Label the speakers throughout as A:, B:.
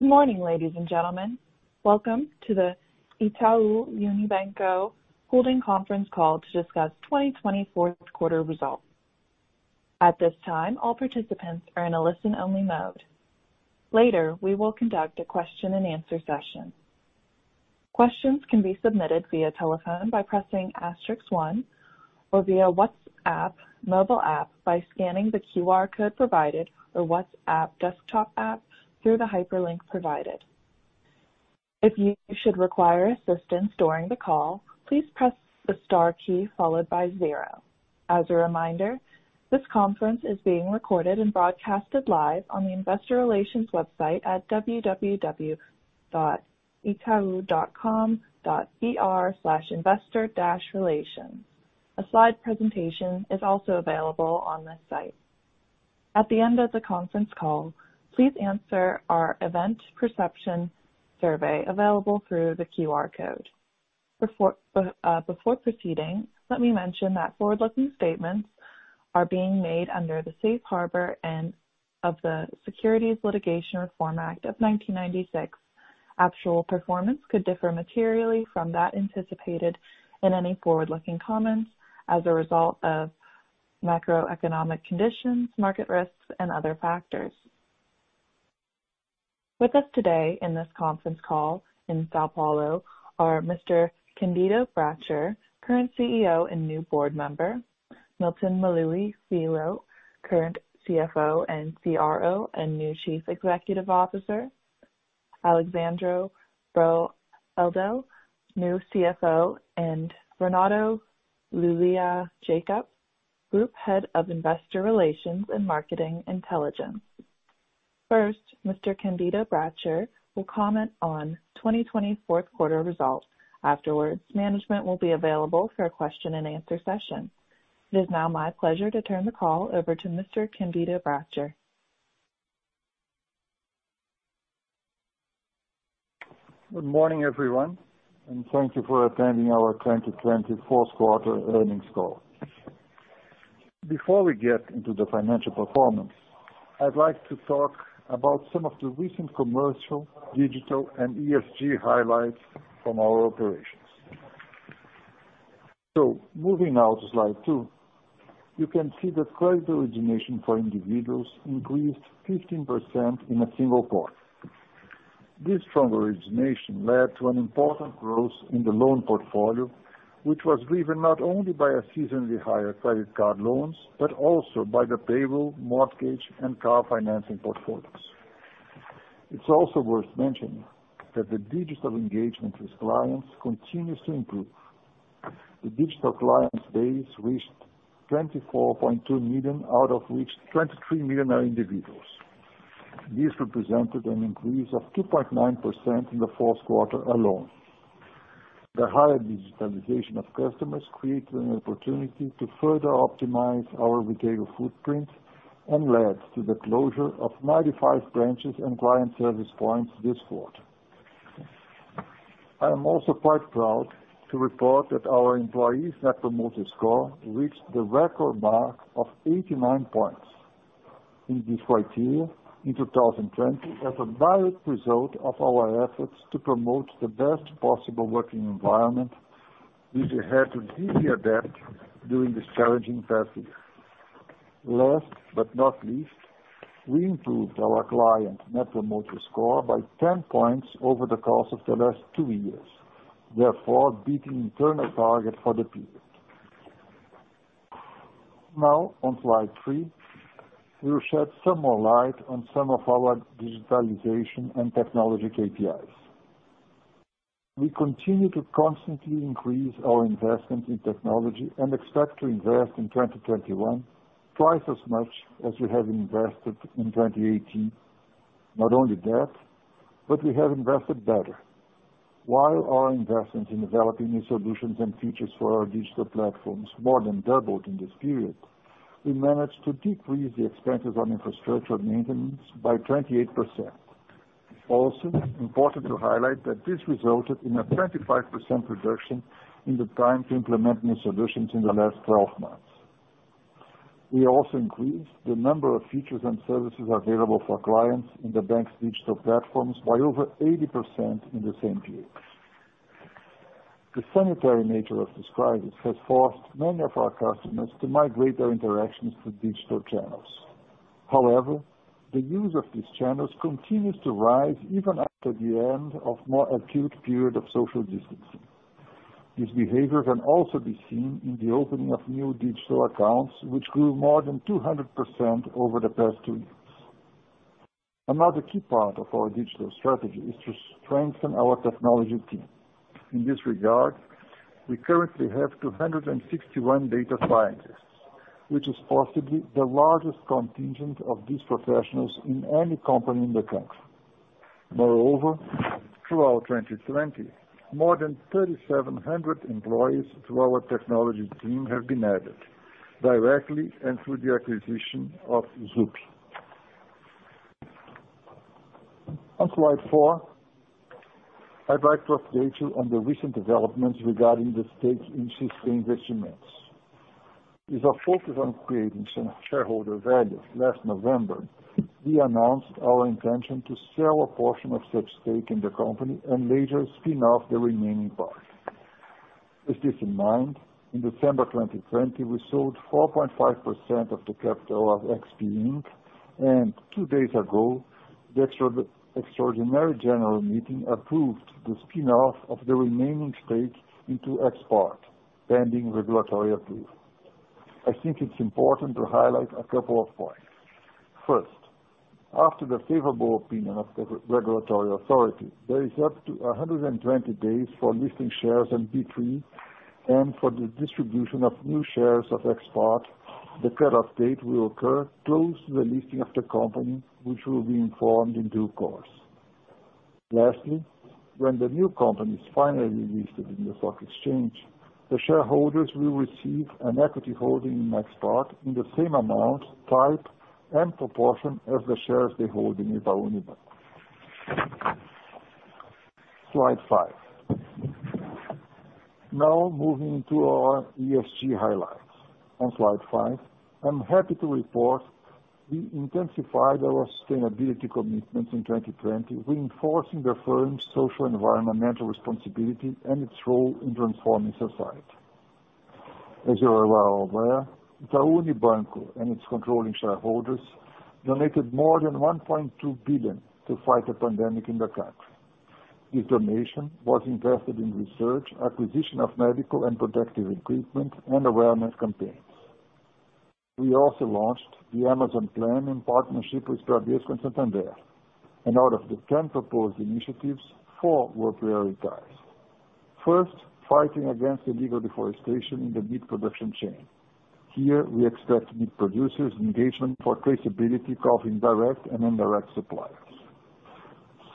A: Good morning, ladies and gentlemen. Welcome to the Itaú Unibanco Holding Conference call to discuss the 2020 quarter results. At this time, all participants are in a listen-only mode. Later, we will conduct a question-and-answer session. Questions can be submitted via telephone by pressing asterisk 1, or via WhatsApp mobile app by scanning the QR code provided, or WhatsApp desktop app through the hyperlink provided. If you should require assistance during the call, please press the star key followed by zero. As a reminder, this conference is being recorded and broadcasted live on the Investor Relations website at www.itau.com.br/investor-relations. A slide presentation is also available on the site. At the end of the conference call, please answer our event perception survey available through the QR code. Before proceeding, let me mention that forward-looking statements are being made under the Safe Harbor and of the Securities Litigation Reform Act of 1996. Actual performance could differ materially from that anticipated in any forward-looking comments as a result of macroeconomic conditions, market risks, and other factors. With us today in this conference call in São Paulo are Mr. Candido Bracher, current CEO and new board member, Milton Maluhy Filho, current CFO and CRO and new Chief Executive Officer, Alexsandro Broedel, new CFO, and Renato Lulia Jacob, Group Head of Investor Relations and Market Intelligence. First, Mr. Candido Bracher will comment on the 2024 quarter results. Afterwards, management will be available for a question-and-answer session. It is now my pleasure to turn the call over to Mr. Candido Bracher.
B: Good morning, everyone, and thank you for attending our 2024 quarter earnings call. Before we get into the financial performance, I'd like to talk about some of the recent commercial, digital, and ESG highlights from our operations. So, moving now to slide two, you can see that credit origination for individuals increased 15% in a single quarter. This strong origination led to an important growth in the loan portfolio, which was driven not only by seasonally higher credit card loans but also by the payroll, mortgage, and car financing portfolios. It's also worth mentioning that the digital engagement with clients continues to improve. The digital clients' base reached 24.2 million, out of which 23 million are individuals. This represented an increase of 2.9% in the fourth quarter alone. The higher digitalization of customers created an opportunity to further optimize our retail footprint and led to the closure of 95 branches and client service points this quarter. I am also quite proud to report that our employees' Net Promoter Score reached the record mark of 89 points in this criteria in 2020, as a direct result of our efforts to promote the best possible working environment which we had to adapt during this challenging past year. Last but not least, we improved our client Net Promoter Score by 10 points over the course of the last two years, therefore beating the internal target for the period. Now, on slide three, we will shed some more light on some of our digitalization and technology KPIs. We continue to constantly increase our investment in technology and expect to invest in 2021 twice as much as we have invested in 2018. Not only that, but we have invested better. While our investments in developing new solutions and features for our digital platforms more than doubled in this period, we managed to decrease the expenses on infrastructure maintenance by 28%. Also, important to highlight that this resulted in a 25% reduction in the time to implement new solutions in the last 12 months. We also increased the number of features and services available for clients in the bank's digital platforms by over 80% in the same period. The sanitary nature of this crisis has forced many of our customers to migrate their interactions to digital channels. However, the use of these channels continues to rise even after the end of a more acute period of social distancing. This behavior can also be seen in the opening of new digital accounts, which grew more than 200% over the past two years. Another key part of our digital strategy is to strengthen our technology team. In this regard, we currently have 261 data scientists, which is possibly the largest contingent of these professionals in any company in the country. Moreover, throughout 2020, more than 3,700 employees to our technology team have been added directly and through the acquisition of Zup. On slide four, I'd like to update you on the recent developments regarding the stake in XP Investimentos. With a focus on creating shareholder value, last November, we announced our intention to sell a portion of such stake in the company and later spin off the remaining part. With this in mind, in December 2020, we sold 4.5% of the capital of XP Inc., and two days ago, the extraordinary general meeting approved the spin-off of the remaining stake into XPART, pending regulatory approval. I think it's important to highlight a couple of points. First, after the favorable opinion of the regulatory authority, there is up to 120 days for listing shares on B3 and for the distribution of new shares of XPART. The cut-off date will occur close to the listing of the company, which will be informed in due course. Lastly, when the new company is finally listed in the stock exchange, the shareholders will receive an equity holding in XPART in the same amount, type, and proportion as the shares they hold in Itaú Unibanco. Slide five. Now, moving to our ESG highlights. On slide five, I'm happy to report we intensified our sustainability commitments in 2020, reinforcing the firm's social and environmental responsibility and its role in transforming society. As you are well aware, Itaú Unibanco and its controlling shareholders donated more than 1.2 billion to fight the pandemic in the country. This donation was invested in research, acquisition of medical and protective equipment, and awareness campaigns. We also launched the Amazon Plan in partnership with Bradesco and Santander, and out of the 10 proposed initiatives, four were prioritized. First, fighting against illegal deforestation in the meat production chain. Here, we expect meat producers' engagement for traceability of direct and indirect suppliers.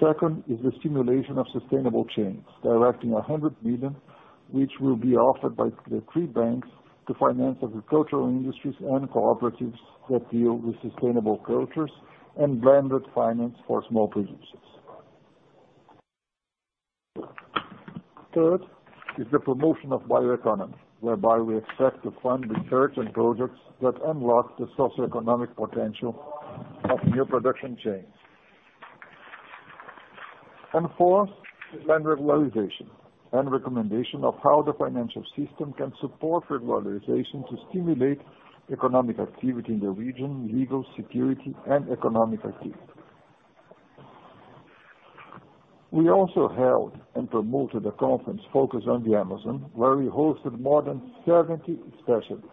B: Second is the stimulation of sustainable chains, directing 100 million, which will be offered by the three banks to finance agricultural industries and cooperatives that deal with sustainable cultures and blended finance for small producers. Third is the promotion of bioeconomy, whereby we expect to fund research and projects that unlock the socioeconomic potential of new production chains. Fourth is planned regularization and recommendation of how the financial system can support regularization to stimulate economic activity in the region, legal, security, and economic activity. We also held and promoted a conference focused on the Amazon, where we hosted more than 70 specialists,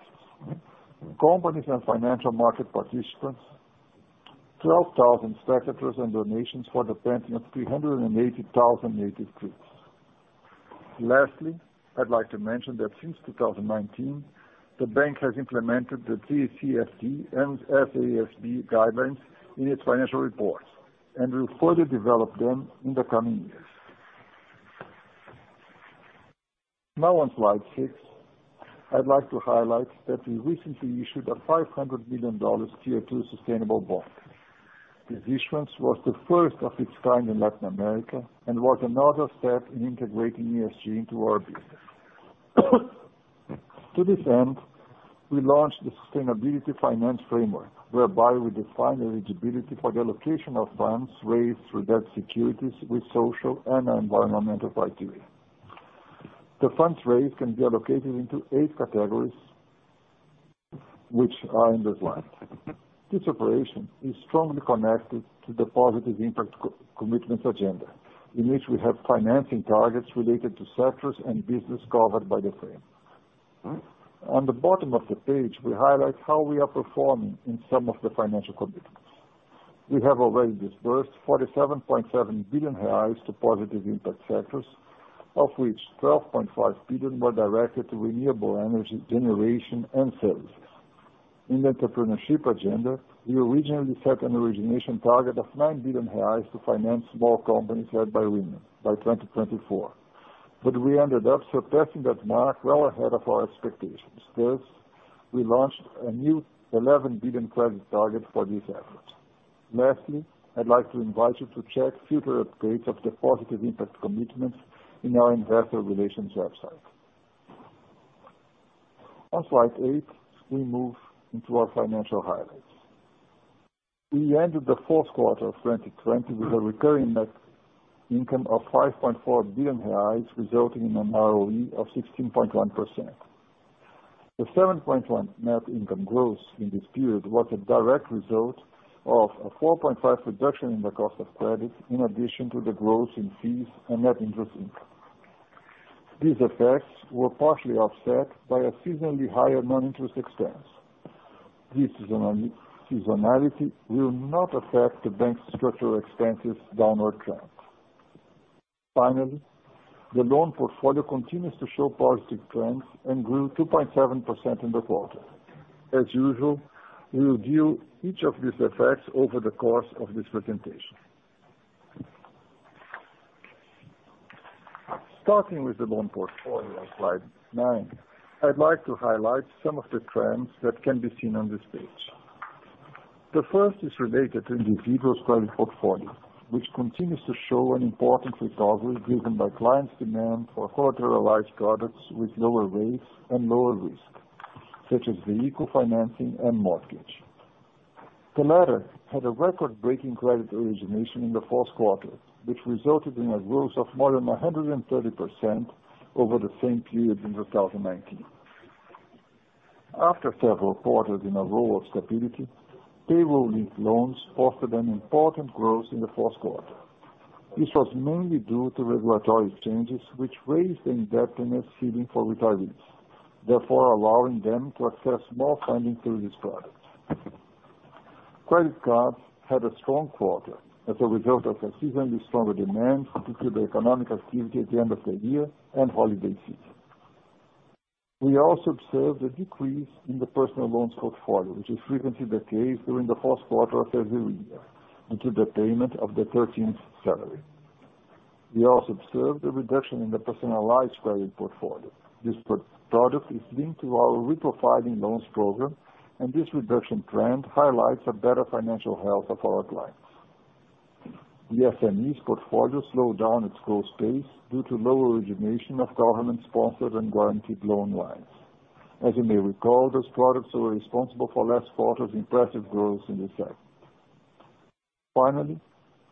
B: companies, and financial market participants, 12,000 stakeholders, and donations for the planting of 380,000 native trees. Lastly, I'd like to mention that since 2019, the bank has implemented the TCFD and SASB guidelines in its financial reports and will further develop them in the coming years. Now, on slide six, I'd like to highlight that we recently issued a $500 million Tier 2 sustainable bond. It was the first of its kind in Latin America and was another step in integrating ESG into our business. To this end, we launched the sustainability finance framework, whereby we defined eligibility for the allocation of funds raised through debt securities with social and environmental criteria. The funds raised can be allocated into eight categories, which are in the slide. This operation is strongly connected to the positive impact commitments agenda, in which we have financing targets related to sectors and business covered by the framework. On the bottom of the page, we highlight how we are performing in some of the financial commitments. We have already disbursed 47.7 billion reais to positive impact sectors, of which 12.5 billion were directed to renewable energy generation and services. In the entrepreneurship agenda, we originally set an origination target of 9 billion reais to finance small companies led by women by 2024, but we ended up surpassing that mark well ahead of our expectations. Thus, we launched a new 11 billion BRL credit target for this effort. Lastly, I'd like to invite you to check future updates of the positive impact commitments in our investor relations website. On slide eight, we move into our financial highlights. We ended the fourth quarter of 2020 with a recurring net income of 5.4 billion reais, resulting in an ROE of 16.1%. The 7.1% net income growth in this period was a direct result of a 4.5% reduction in the cost of credit, in addition to the growth in fees and net interest income. These effects were partially offset by a seasonally higher non-interest expense. This seasonality will not affect the bank's structural expenses' downward trend. Finally, the loan portfolio continues to show positive trends and grew 2.7% in the quarter. As usual, we will deal with each of these effects over the course of this presentation. Starting with the loan portfolio on slide nine, I'd like to highlight some of the trends that can be seen on this page. The first is related to individuals' credit portfolio, which continues to show an important recovery driven by clients' demand for collateralized products with lower rates and lower risk, such as vehicle financing and mortgage. The latter had a record-breaking credit origination in the fourth quarter, which resulted in a growth of more than 130% over the same period in 2019. After several quarters in a row of stability, payroll-linked loans posted an important growth in the fourth quarter. This was mainly due to regulatory changes, which raised the indebtedness ceiling for retirees, therefore allowing them to access more funding through these products. Credit cards had a strong quarter as a result of a seasonally stronger demand due to the economic activity at the end of the year and holiday season. We also observed a decrease in the personal loans portfolio, which is frequently the case during the fourth quarter of every year, due to the payment of the 13th salary. We also observed a reduction in the personalized credit portfolio. This product is linked to our reprofiling loans program, and this reduction trend highlights a better financial health of our clients. The SME's portfolio slowed down its growth pace due to lower origination of government-sponsored and guaranteed loan lines. As you may recall, those products were responsible for last quarter's impressive growth in this segment. Finally,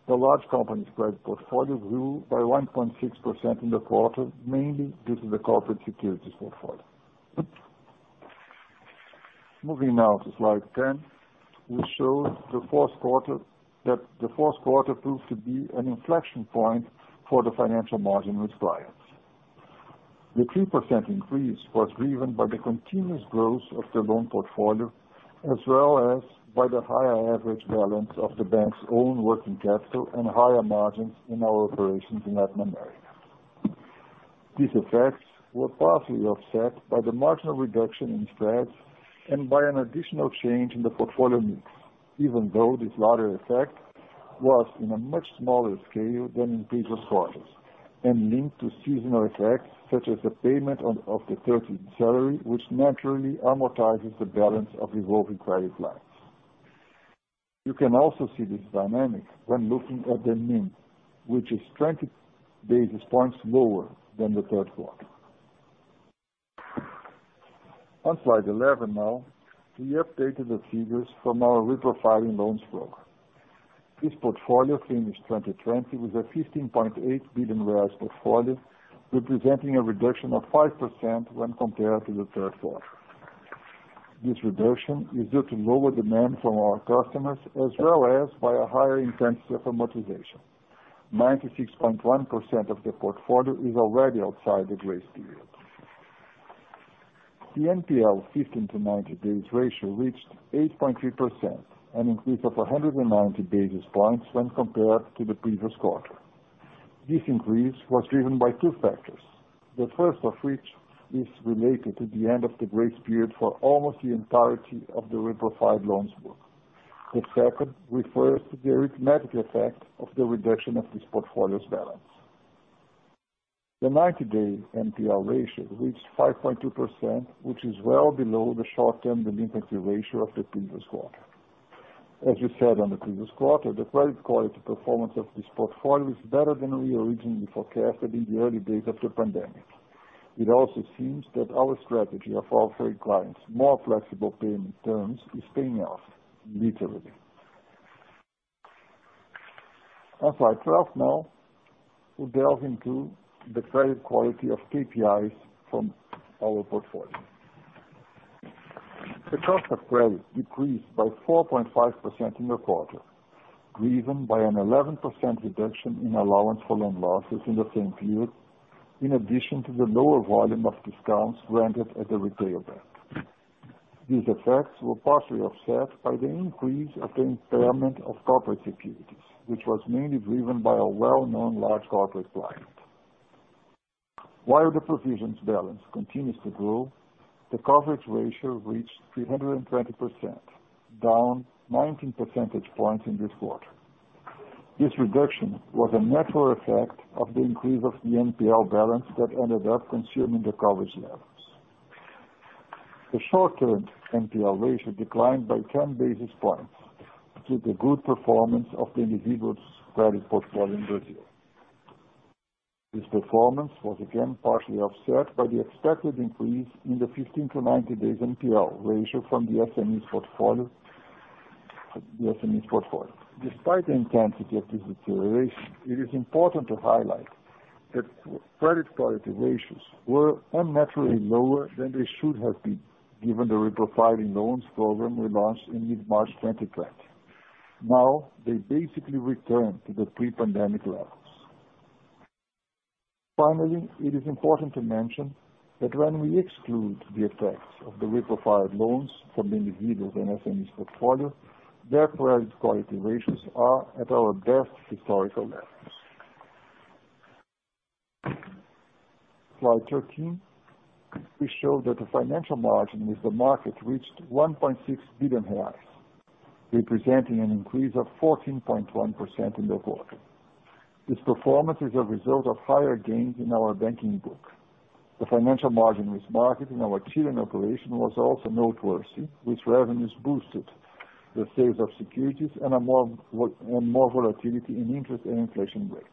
B: the large company's credit portfolio grew by 1.6% in the quarter, mainly due to the corporate securities portfolio. Moving now to slide 10, we saw that the fourth quarter proved to be an inflection point for the financial margin with clients. The 3% increase was driven by the continuous growth of the loan portfolio, as well as by the higher average balance of the bank's own working capital and higher margins in our operations in Latin America. These effects were partially offset by the marginal reduction in spreads and by an additional change in the portfolio mix, even though this latter effect was on a much smaller scale than in previous quarters and linked to seasonal effects such as the payment of the 13th salary, which naturally amortizes the balance of revolving credit lines. You can also see this dynamic when looking at the margin, which is 20 basis points lower than the third quarter. On slide 11 now, we updated the figures from our reprofiling loans program. This portfolio finished 2020 with a 15.8 billion reais portfolio, representing a reduction of 5% when compared to the third quarter. This reduction is due to lower demand from our customers, as well as by a higher intensity of amortization. 96.1% of the portfolio is already outside the grace period. The NPL 15-90 days ratio reached 8.3%, an increase of 190 basis points when compared to the previous quarter. This increase was driven by two factors, the first of which is related to the end of the grace period for almost the entirety of the reprofiled loans work. The second refers to the arithmetic effect of the reduction of this portfolio's balance. The 90-day NPL ratio reached 5.2%, which is well below the short-term delinquency ratio of the previous quarter. As we said on the previous quarter, the credit quality performance of this portfolio is better than we originally forecasted in the early days of the pandemic. It also seems that our strategy of offering clients more flexible payment terms is paying off, literally. On slide 12 now, we'll delve into the credit quality of KPIs from our portfolio. The cost of credit decreased by 4.5% in the quarter, driven by an 11% reduction in allowance for loan losses in the same period, in addition to the lower volume of discounts granted at the retail bank. These effects were partially offset by the increase of the impairment of corporate securities, which was mainly driven by a well-known large corporate client. While the provisions balance continues to grow, the coverage ratio reached 320%, down 19 percentage points in this quarter. This reduction was a net effect of the increase of the NPL balance that ended up consuming the coverage levels. The short-term NPL ratio declined by 10 basis points due to the good performance of the individuals' credit portfolio in Brazil. This performance was again partially offset by the expected increase in the 15-90 days NPL ratio from the SME's portfolio. Despite the intensity of this deterioration, it is important to highlight that credit quality ratios were unnaturally lower than they should have been given the reprofiling loans program we launched in mid-March 2020. Now, they basically returned to the pre-pandemic levels. Finally, it is important to mention that when we exclude the effects of the reprofiled loans from the individuals' and SME's portfolio, their credit quality ratios are at our best historical levels. Slide 13, we show that the financial margin with the market reached 1.6 billion, representing an increase of 14.1% in the quarter. This performance is a result of higher gains in our banking book. The financial margin with the market in our Chilean operation was also noteworthy, with revenues boosted, the sales of securities, and more volatility in interest and inflation rates.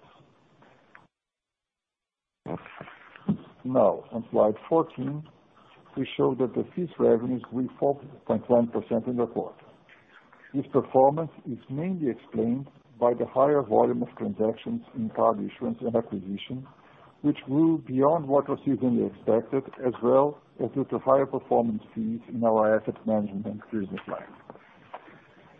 B: Now, on slide 14, we show that the fixed revenues grew 4.1% in the quarter. This performance is mainly explained by the higher volume of transactions in card issuance and acquisition, which grew beyond what was seasonally expected, as well as due to higher performance fees in our asset management and business line.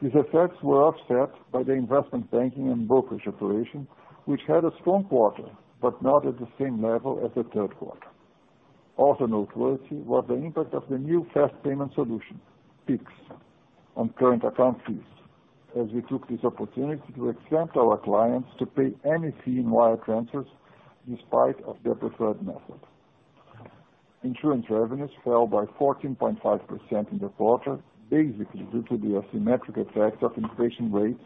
B: These effects were offset by the investment banking and brokerage operation, which had a strong quarter, but not at the same level as the third quarter. Also noteworthy was the impact of the new fast payment solution, PIX, on current account fees, as we took this opportunity to exempt our clients to pay any fee in wire transfers despite their preferred method. Insurance revenues fell by 14.5% in the quarter, basically due to the asymmetric effects of inflation rates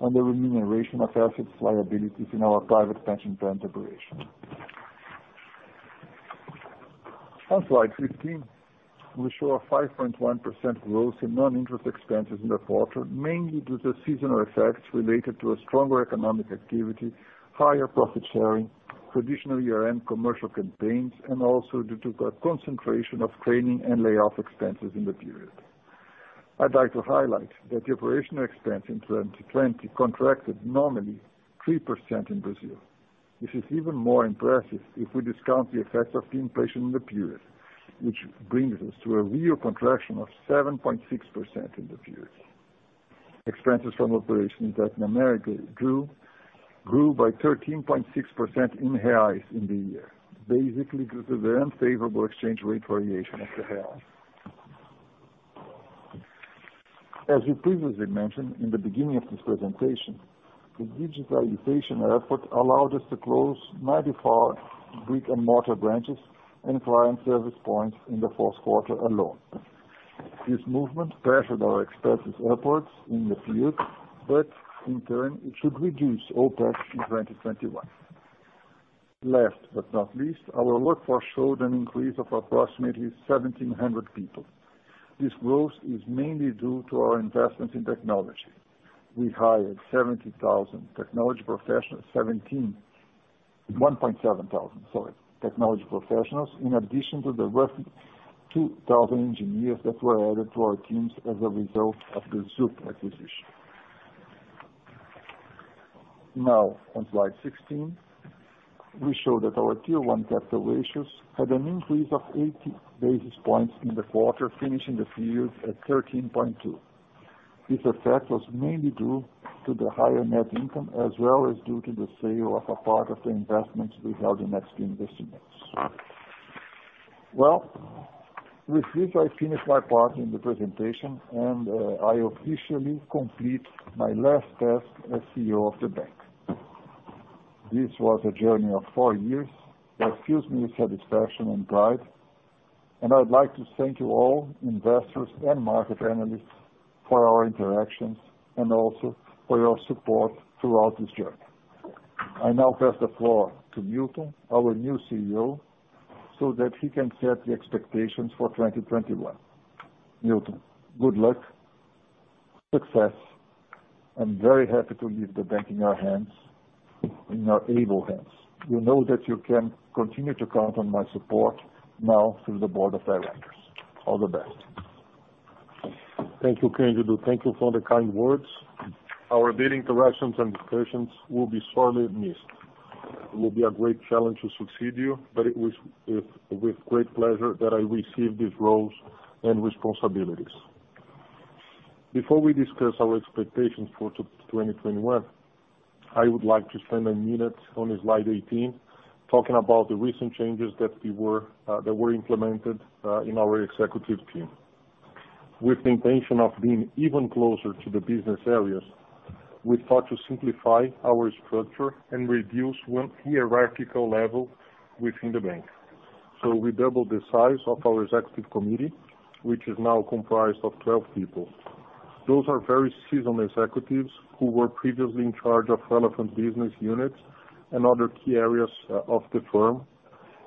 B: and the remuneration of assets liabilities in our private pension plan operation. On slide 15, we show a 5.1% growth in non-interest expenses in the quarter, mainly due to seasonal effects related to a stronger economic activity, higher profit sharing, traditional year-end commercial campaigns, and also due to the concentration of training and layoff expenses in the period. I'd like to highlight that the operational expense in 2020 contracted normally 3% in Brazil. This is even more impressive if we discount the effects of the inflation in the period, which brings us to a real contraction of 7.6% in the period. Expenses from operations in Latin America grew by 13.6% in reais in the year, basically due to the unfavorable exchange rate variation of the reais. As we previously mentioned in the beginning of this presentation, the digitalization effort allowed us to close 94 brick-and-mortar branches and client service points in the fourth quarter alone. This movement pressured our expenses efforts in the period, but in turn, it should reduce OpEx in 2021. Last but not least, our workforce showed an increase of approximately 1,700 people. This growth is mainly due to our investments in technology. We hired 70,000 technology professionals, 17, 1.7 thousand, sorry, technology professionals, in addition to the roughly 2,000 engineers that were added to our teams as a result of the Zup acquisition. Now, on slide 16, we show that our Tier 1 capital ratios had an increase of 80 basis points in the quarter, finishing the period at 13.2. This effect was mainly due to the higher net income, as well as due to the sale of a part of the investments we held in Mexican investments. With this, I finish my part in the presentation, and I officially complete my last stint as CEO of the bank. This was a journey of four years that fills me with satisfaction and pride, and I'd like to thank you all, investors and market analysts, for our interactions and also for your support throughout this journey. I now pass the floor to Milton, our new CEO, so that he can set the expectations for 2021. Milton, good luck, success, and very happy to leave the bank in your hands, in your able hands. You know that you can continue to count on my support now through the board of directors. All the best.
C: Thank you, Candido. Thank you for the kind words. Our daily interactions and discussions will be sorely missed. It will be a great challenge to succeed you, but it was with great pleasure that I received these roles and responsibilities. Before we discuss our expectations for 2021, I would like to spend a minute on slide 18, talking about the recent changes that were implemented in our executive team. With the intention of being even closer to the business areas, we thought to simplify our structure and reduce one hierarchical level within the bank. So we doubled the size of our executive committee, which is now comprised of 12 people. Those are very seasoned executives who were previously in charge of relevant business units and other key areas of the firm,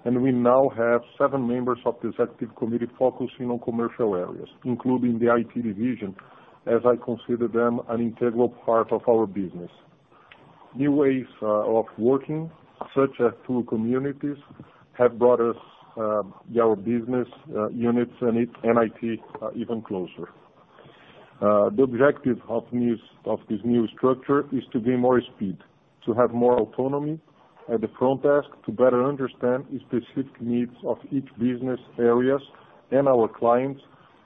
C: and we now have seven members of the executive committee focusing on commercial areas, including the IT division, as I consider them an integral part of our business. New ways of working, such as through communities, have brought us our business units and IT even closer. The objective of this new structure is to gain more speed, to have more autonomy at the front desk, to better understand the specific needs of each business area and our clients,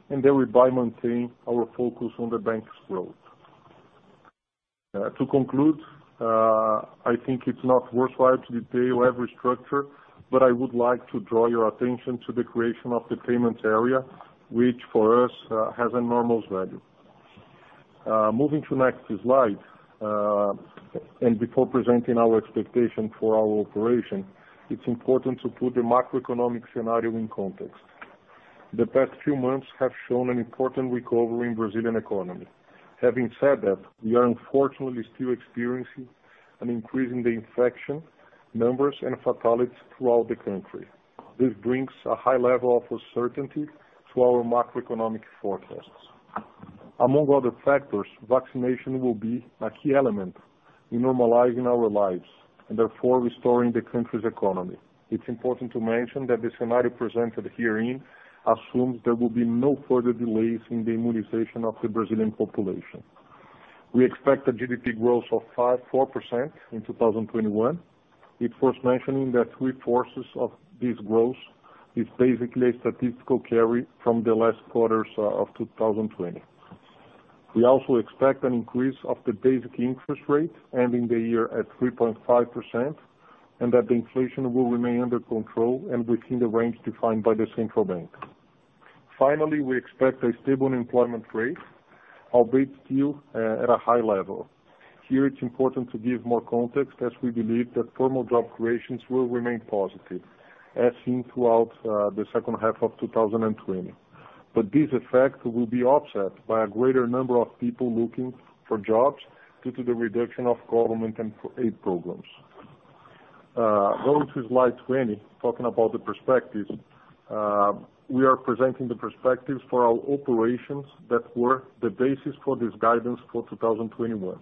C: and thereby maintain our focus on the bank's growth. To conclude, I think it's not worthwhile to detail every structure, but I would like to draw your attention to the creation of the payments area, which for us has enormous value. Moving to the next slide, and before presenting our expectation for our operation, it's important to put the macroeconomic scenario in context. The past few months have shown an important recovery in the Brazilian economy. Having said that, we are unfortunately still experiencing an increase in the infection numbers and fatalities throughout the country. This brings a high level of uncertainty to our macroeconomic forecasts. Among other factors, vaccination will be a key element in normalizing our lives and therefore restoring the country's economy. It's important to mention that the scenario presented herein assumes there will be no further delays in the immunization of the Brazilian population. We expect a GDP growth of 4% in 2021. It's worth mentioning that three fourths of this growth is basically a statistical carry from the last quarters of 2020. We also expect an increase of the basic interest rate ending the year at 3.5% and that the inflation will remain under control and within the range defined by the Central Bank. Finally, we expect a stable employment rate, albeit still at a high level. Here, it's important to give more context as we believe that formal job creations will remain positive, as seen throughout the second half of 2020. But these effects will be offset by a greater number of people looking for jobs due to the reduction of government aid programs. Going to slide 20, talking about the perspectives, we are presenting the perspectives for our operations that were the basis for this guidance for 2021.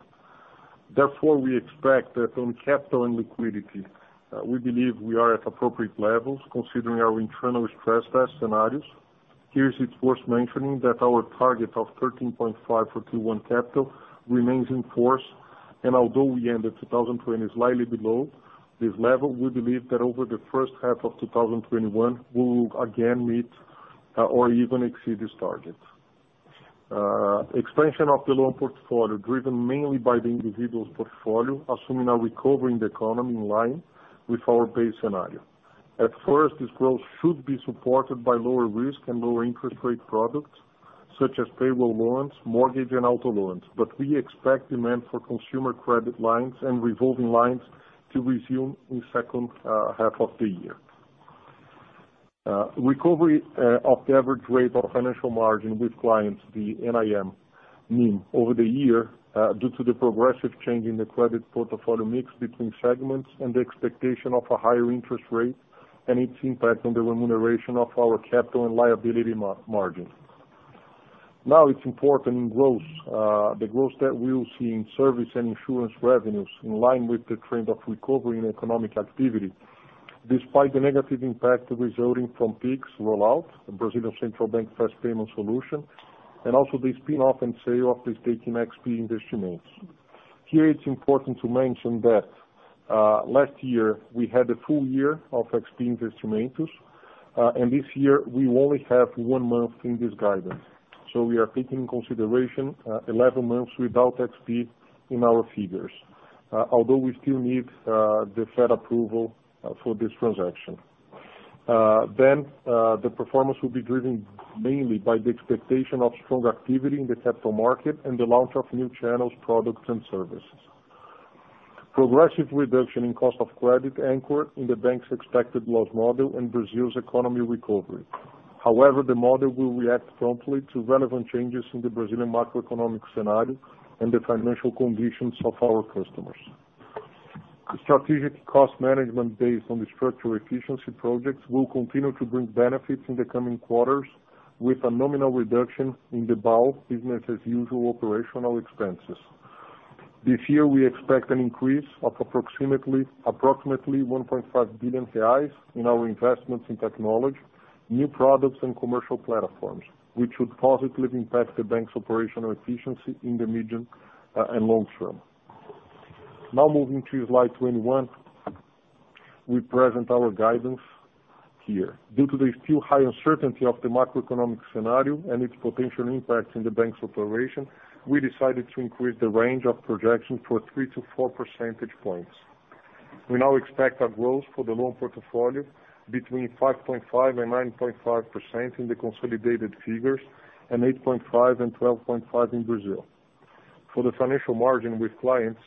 C: Therefore, we expect that on capital and liquidity, we believe we are at appropriate levels considering our internal stress test scenarios. Here it's worth mentioning that our target of 13.5% for Tier 1 capital remains in force, and although we ended 2020 slightly below this level, we believe that over the first half of 2021, we will again meet or even exceed this target. Expansion of the loan portfolio driven mainly by the individual's portfolio, assuming a recovery in the economy in line with our base scenario. At first, this growth should be supported by lower risk and lower interest rate products such as payroll loans, mortgage, and auto loans, but we expect demand for consumer credit lines and revolving lines to resume in the second half of the year. Recovery of the average rate of financial margin with clients, the NIM, mainly over the year due to the progressive change in the credit portfolio mix between segments and the expectation of a higher interest rate and its impact on the remuneration of our capital and liability margin. Now, it's important in growth, the growth that we'll see in service and insurance revenues in line with the trend of recovery in economic activity, despite the negative impact resulting from Pix rollout, the Brazilian Central Bank fast payment solution, and also the spin-off and sale of the stake in XP Investimentos. Here, it's important to mention that last year we had a full year of XP Investimentos, and this year we only have one month in this guidance. So we are taking into consideration 11 months without XP Investimentos in our figures, although we still need the Fed approval for this transaction. Then, the performance will be driven mainly by the expectation of strong activity in the capital market and the launch of new channels, products, and services. Progressive reduction in cost of credit anchored in the bank's expected growth model and Brazil's economy recovery. However, the model will react promptly to relevant changes in the Brazilian macroeconomic scenario and the financial conditions of our customers. Strategic cost management based on the structural efficiency projects will continue to bring benefits in the coming quarters with a nominal reduction in the bulk business-as-usual operational expenses. This year, we expect an increase of approximately 1.5 billion reais in our investments in technology, new products, and commercial platforms, which should positively impact the bank's operational efficiency in the medium and long term. Now, moving to slide 21, we present our guidance here. Due to the still high uncertainty of the macroeconomic scenario and its potential impact in the bank's operation, we decided to increase the range of projections for three to four percentage points. We now expect a growth for the loan portfolio between 5.5% and 9.5% in the consolidated figures and 8.5% and 12.5% in Brazil. For the financial margin with clients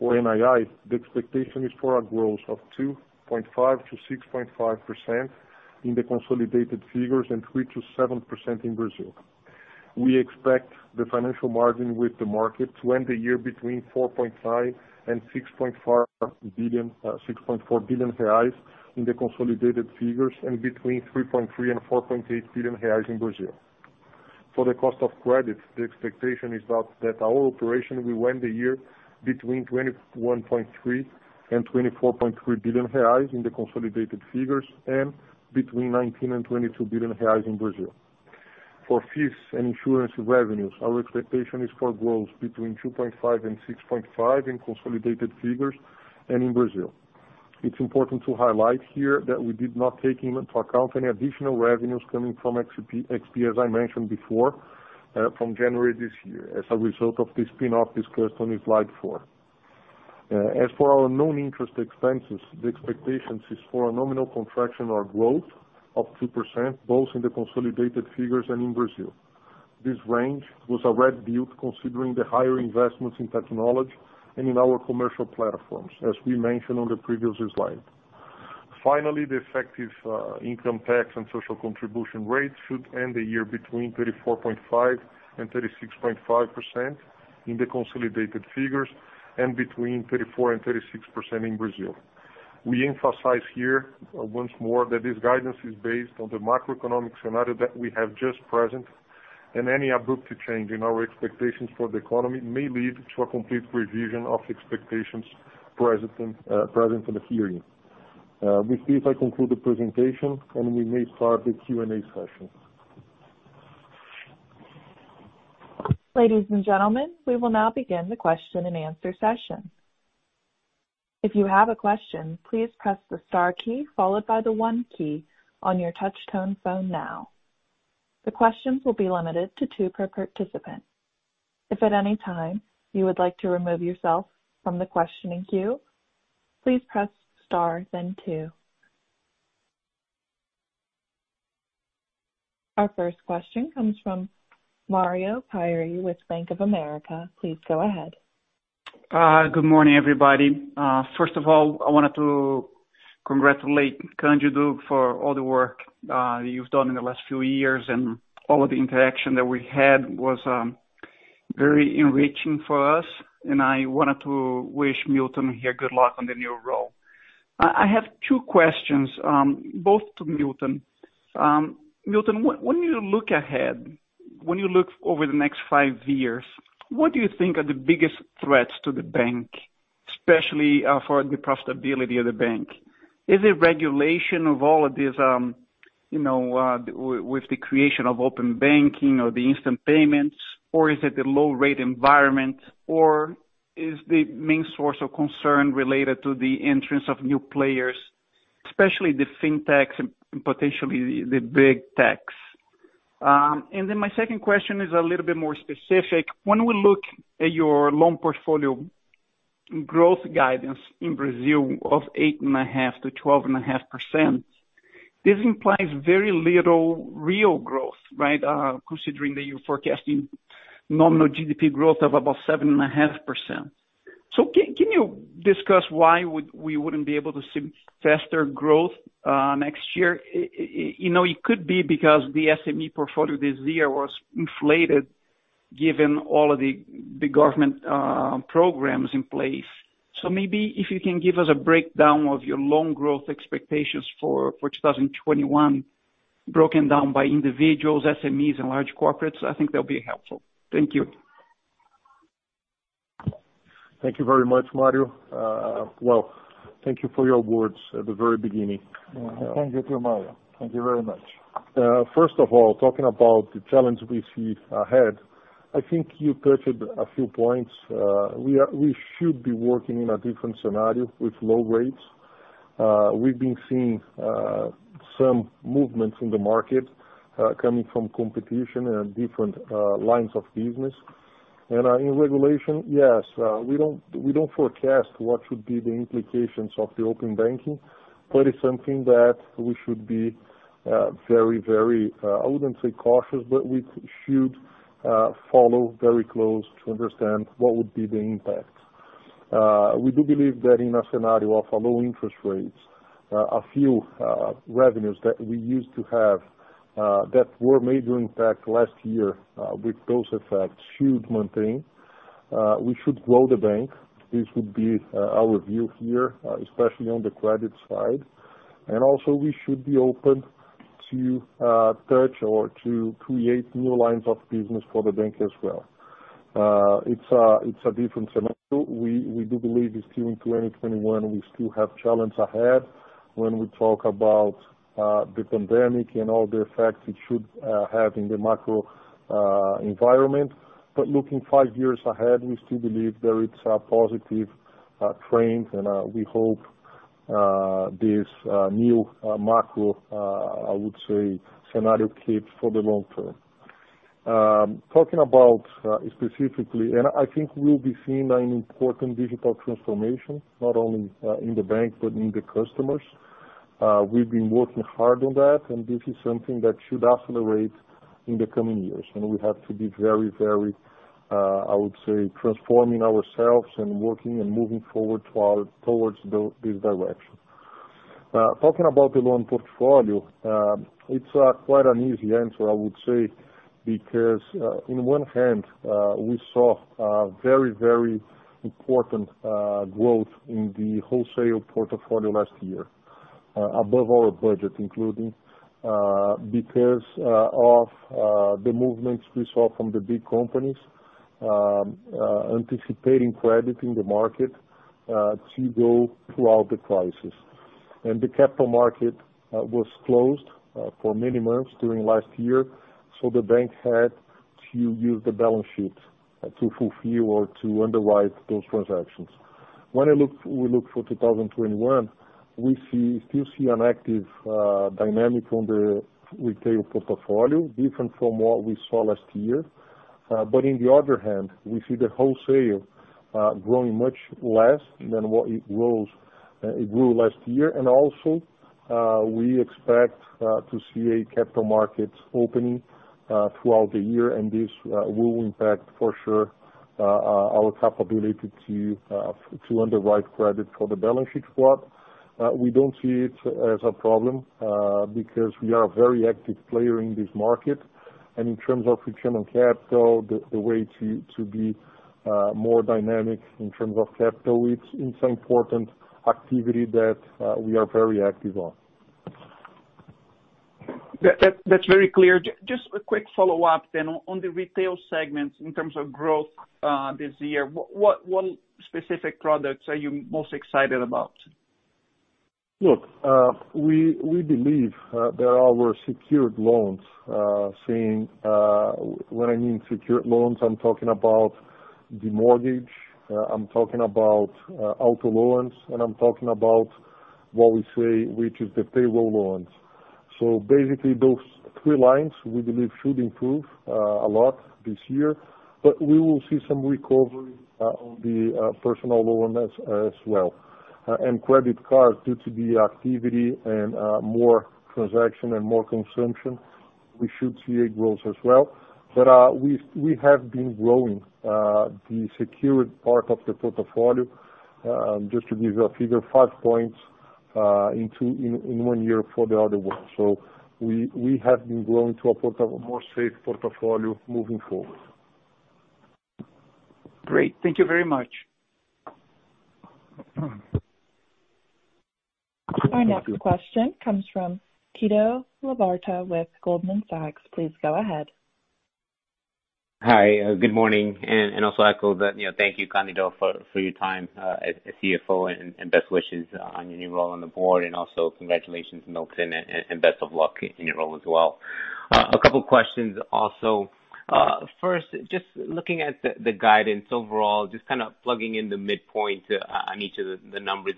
C: or NII, the expectation is for a growth of 2.5%-6.5% in the consolidated figures and 3%-7% in Brazil. We expect the financial margin with the market to end the year between 4.5 billion and 6.4 billion in the consolidated figures and between 3.3 billion and 4.8 billion reais in Brazil. For the cost of credit, the expectation is that our operation will end the year between 21.3 billion and 24.3 billion reais in the consolidated figures and between 19 billion and 22 billion reais in Brazil. For fees and insurance revenues, our expectation is for growth between 2.5 and 6.5% in consolidated figures and in Brazil. It's important to highlight here that we did not take into account any additional revenues coming from XP, as I mentioned before, from January this year, as a result of the spin-off discussed on slide 4. As for our non-interest expenses, the expectation is for a nominal contraction or growth of 2% both in the consolidated figures and in Brazil. This range was a result considering the higher investments in technology and in our commercial platforms, as we mentioned on the previous slide. Finally, the effective income tax and social contribution rate should end the year between 34.5-36.5% in the consolidated figures and between 34 and 36% in Brazil. We emphasize here once more that this guidance is based on the macroeconomic scenario that we have just present, and any abrupt change in our expectations for the economy may lead to a complete revision of expectations present in the hearing. With this, I conclude the presentation, and we may start the Q&A session. Ladies and gentlemen, we will now begin the question and answer session. If you have a question, please press the star key followed by the one key on your touch-tone phone now. The questions will be limited to two per participant. If at any time you would like to remove yourself from the questioning queue, please press star, then two. Our first question comes from Mario Pierry with Bank of America. Please go ahead.
D: Good morning, everybody. First of all, I wanted to congratulate Bracher for all the work that you've done in the last few years, and all of the interaction that we had was very enriching for us, and I wanted to wish Milton here good luck on the new role. I have two questions, both to Milton. Milton, when you look ahead, when you look over the next five years, what do you think are the biggest threats to the bank, especially for the profitability of the bank? Is it regulation of all of this with the creation of Open Banking or the instant payments, or is it the low-rate environment, or is the main source of concern related to the entrance of new players, especially the fintechs and potentially the big techs? And then my second question is a little bit more specific. When we look at your loan portfolio growth guidance in Brazil of 8.5%-12.5%, this implies very little real growth, right, considering that you're forecasting nominal GDP growth of about 7.5%. So can you discuss why we wouldn't be able to see faster growth next year? It could be because the SME portfolio this year was inflated given all of the government programs in place. So maybe if you can give us a breakdown of your loan growth expectations for 2021, broken down by individuals, SMEs, and large corporates, I think that would be helpful. Thank you.
E: Thank you very much, Mario. Well, thank you for your words at the very beginning.
B: Thank you too, Mario. Thank you very much.
C: First of all, talking about the challenge we see ahead, I think you touched a few points. We should be working in a different scenario with low rates. We've been seeing some movements in the market coming from competition and different lines of business. And in regulation, yes, we don't forecast what should be the implications of the Open Banking, but it's something that we should be very, very, I wouldn't say cautious, but we should follow very close to understand what would be the impact. We do believe that in a scenario of low interest rates, a few revenues that we used to have that were major impact last year with those effects should maintain. We should grow the bank. This would be our view here, especially on the credit side. And also, we should be open to touch or to create new lines of business for the bank as well. It's a different scenario. We do believe still in 2021, we still have challenges ahead when we talk about the pandemic and all the effects it should have in the macro environment. But looking five years ahead, we still believe there is a positive trend, and we hope this new macro, I would say, scenario keeps for the long term. Talking about specifically, and I think we'll be seeing an important digital transformation, not only in the bank but in the customers. We've been working hard on that, and this is something that should accelerate in the coming years. And we have to be very, very, I would say, transforming ourselves and working and moving forward towards this direction. Talking about the loan portfolio, it's quite an easy answer, I would say, because on one hand, we saw very, very important growth in the wholesale portfolio last year above our budget, including because of the movements we saw from the big companies anticipating credit in the market to get through the crisis. And the capital market was closed for many months during last year, so the bank had to use the balance sheet to fulfill or to underwrite those transactions. When we look to 2021, we still see an active dynamic in the retail portfolio, different from what we saw last year. But on the other hand, we see the wholesale growing much less than what it grew last year. And also, we expect to see a capital market opening throughout the year, and this will impact for sure our capability to underwrite credit for the balance sheet swap. We don't see it as a problem because we are a very active player in this market. In terms of return on capital, the way to be more dynamic in terms of capital, it's an important activity that we are very active on. That's very clear. Just a quick follow-up then on the retail segment in terms of growth this year. What specific products are you most excited about? Look, we believe in our secured loans. When I mean secured loans, I'm talking about the mortgage, I'm talking about auto loans, and I'm talking about what we say, which is the payroll loans. So basically, those three lines we believe should improve a lot this year, but we will see some recovery on the personal loan as well. Credit cards, due to the activity and more transactions and more consumption, we should see a growth as well. But we have been growing the secured part of the portfolio. Just to give you a figure, five points in one year for the other one. So we have been growing to a more safe portfolio moving forward.
D: Great. Thank you very much.
A: Our next question comes from Tito Labarta with Goldman Sachs. Please go ahead.
F: Hi. Good morning. And also echo that thank you, Candido, for your time as CFO and best wishes on your new role on the board. And also congratulations, Milton, and best of luck in your role as well. A couple of questions also. First, just looking at the guidance overall, just kind of plugging in the midpoint on each of the numbers,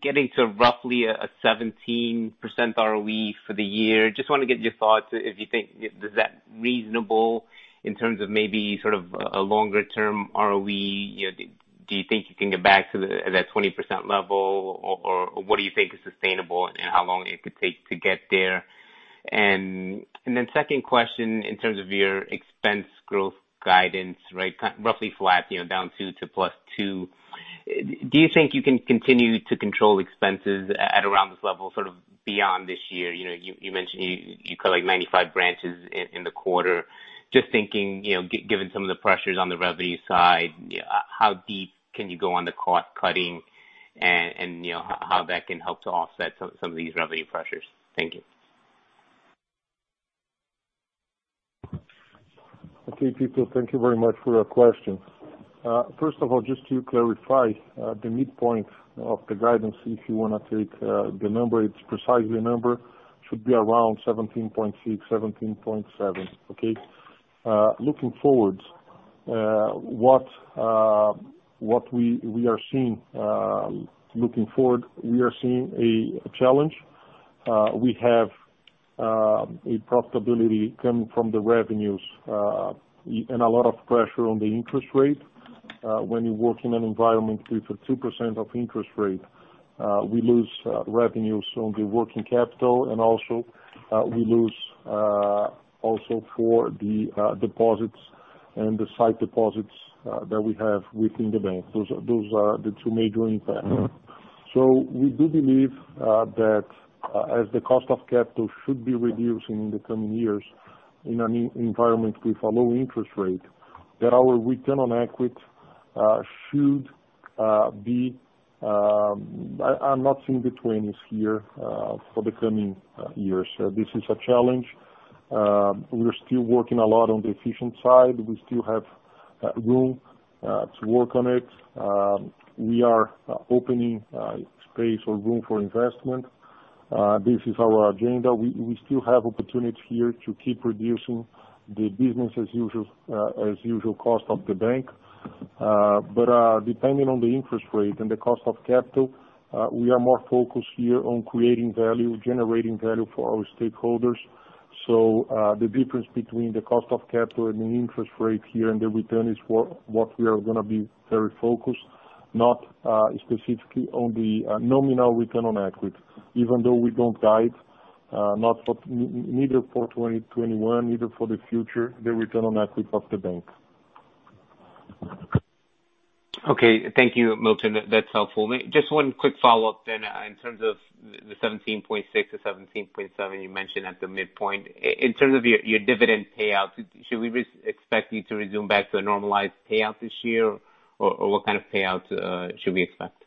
F: getting to roughly a 17% ROE for the year. Just want to get your thoughts. Do you think that's reasonable in terms of maybe sort of a longer-term ROE? Do you think you can get back to that 20% level, or what do you think is sustainable and how long it could take to get there? And then second question in terms of your expense growth guidance, right, roughly flat to +2%. Do you think you can continue to control expenses at around this level sort of beyond this year? You mentioned you cut like 95 branches in the quarter. Just thinking, given some of the pressures on the revenue side, how deep can you go on the cost cutting and how that can help to offset some of these revenue pressures? Thank you.
C: Okay, people, thank you very much for your question. First of all, just to clarify, the midpoint of the guidance, if you want to take the number, it's precisely a number, should be around 17.6%, 17.7%, okay? Looking forward, what we are seeing looking forward, we are seeing a challenge. We have a profitability coming from the revenues and a lot of pressure on the interest rate. When you work in an environment with a 2% interest rate, we lose revenues on the working capital, and also we lose also for the deposits and the side deposits that we have within the bank. Those are the two major impacts. So we do believe that as the cost of capital should be reducing in the coming years in an environment with a low interest rate, that our return on equity should be. I'm not seeing the 20s here for the coming years. This is a challenge. We're still working a lot on the efficient side. We still have room to work on it. We are opening space or room for investment. This is our agenda. We still have opportunities here to keep reducing the business as usual cost of the bank. But depending on the interest rate and the cost of capital, we are more focused here on creating value, generating value for our stakeholders. So the difference between the cost of capital and the interest rate here and the return is what we are going to be very focused, not specifically on the nominal return on equity, even though we don't guide neither for 2021, neither for the future, the return on equity of the bank.
F: Okay. Thank you, Milton. That's helpful. Just one quick follow-up then in terms of the 17.6%-17.7% you mentioned at the midpoint. In terms of your dividend payout, should we expect you to resume back to a normalized payout this year, or what kind of payout should we expect?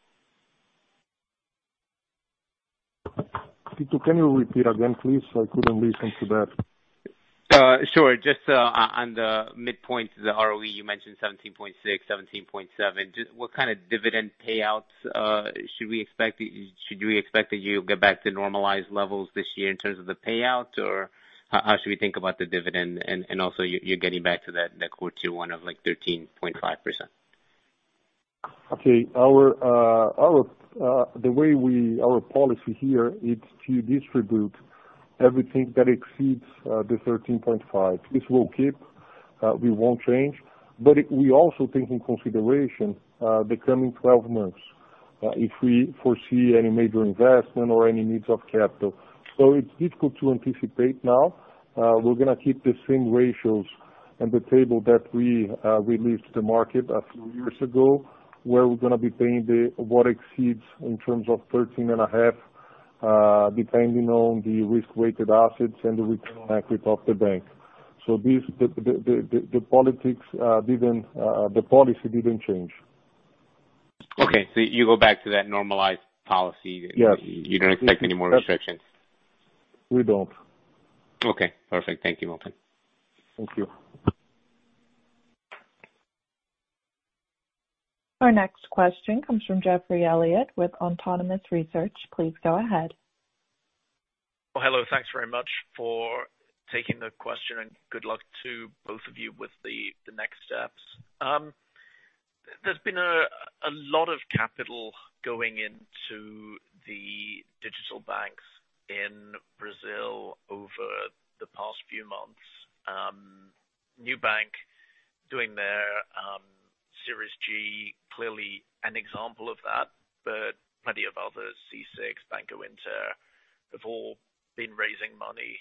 C: Can you repeat again, please? I couldn't listen to that.
F: Sure. Just on the midpoint, the ROE you mentioned 17.6%, 17.7%. What kind of dividend payouts should we expect? Should we expect that you get back to normalized levels this year in terms of the payout, or how should we think about the dividend? And also you're getting back to that quarter one of like 13.5%.
C: Okay. The way our policy here is to distribute everything that exceeds the 13.5%. This will keep. We won't change. But we also take into consideration the coming 12 months if we foresee any major investment or any needs of capital. So it's difficult to anticipate now. We're going to keep the same ratios and the table that we released to the market a few years ago where we're going to be paying what exceeds in terms of 13.5 depending on the risk-weighted assets and the return on equity of the bank. So the policy didn't change.
F: Okay. So you go back to that normalized policy. You don't expect any more restrictions.
C: We don't.
F: Okay. Perfect. Thank you, Milton. Thank you.
A: Our next question comes from Geoff Elliott with Autonomous Research. Please go ahead.
G: Hello. Thanks very much for taking the question, and good luck to both of you with the next steps. There's been a lot of capital going into the digital banks in Brazil over the past few months. Nubank doing their Series G clearly an example of that, but plenty of others, C6 Bank, Banco Inter, have all been raising money.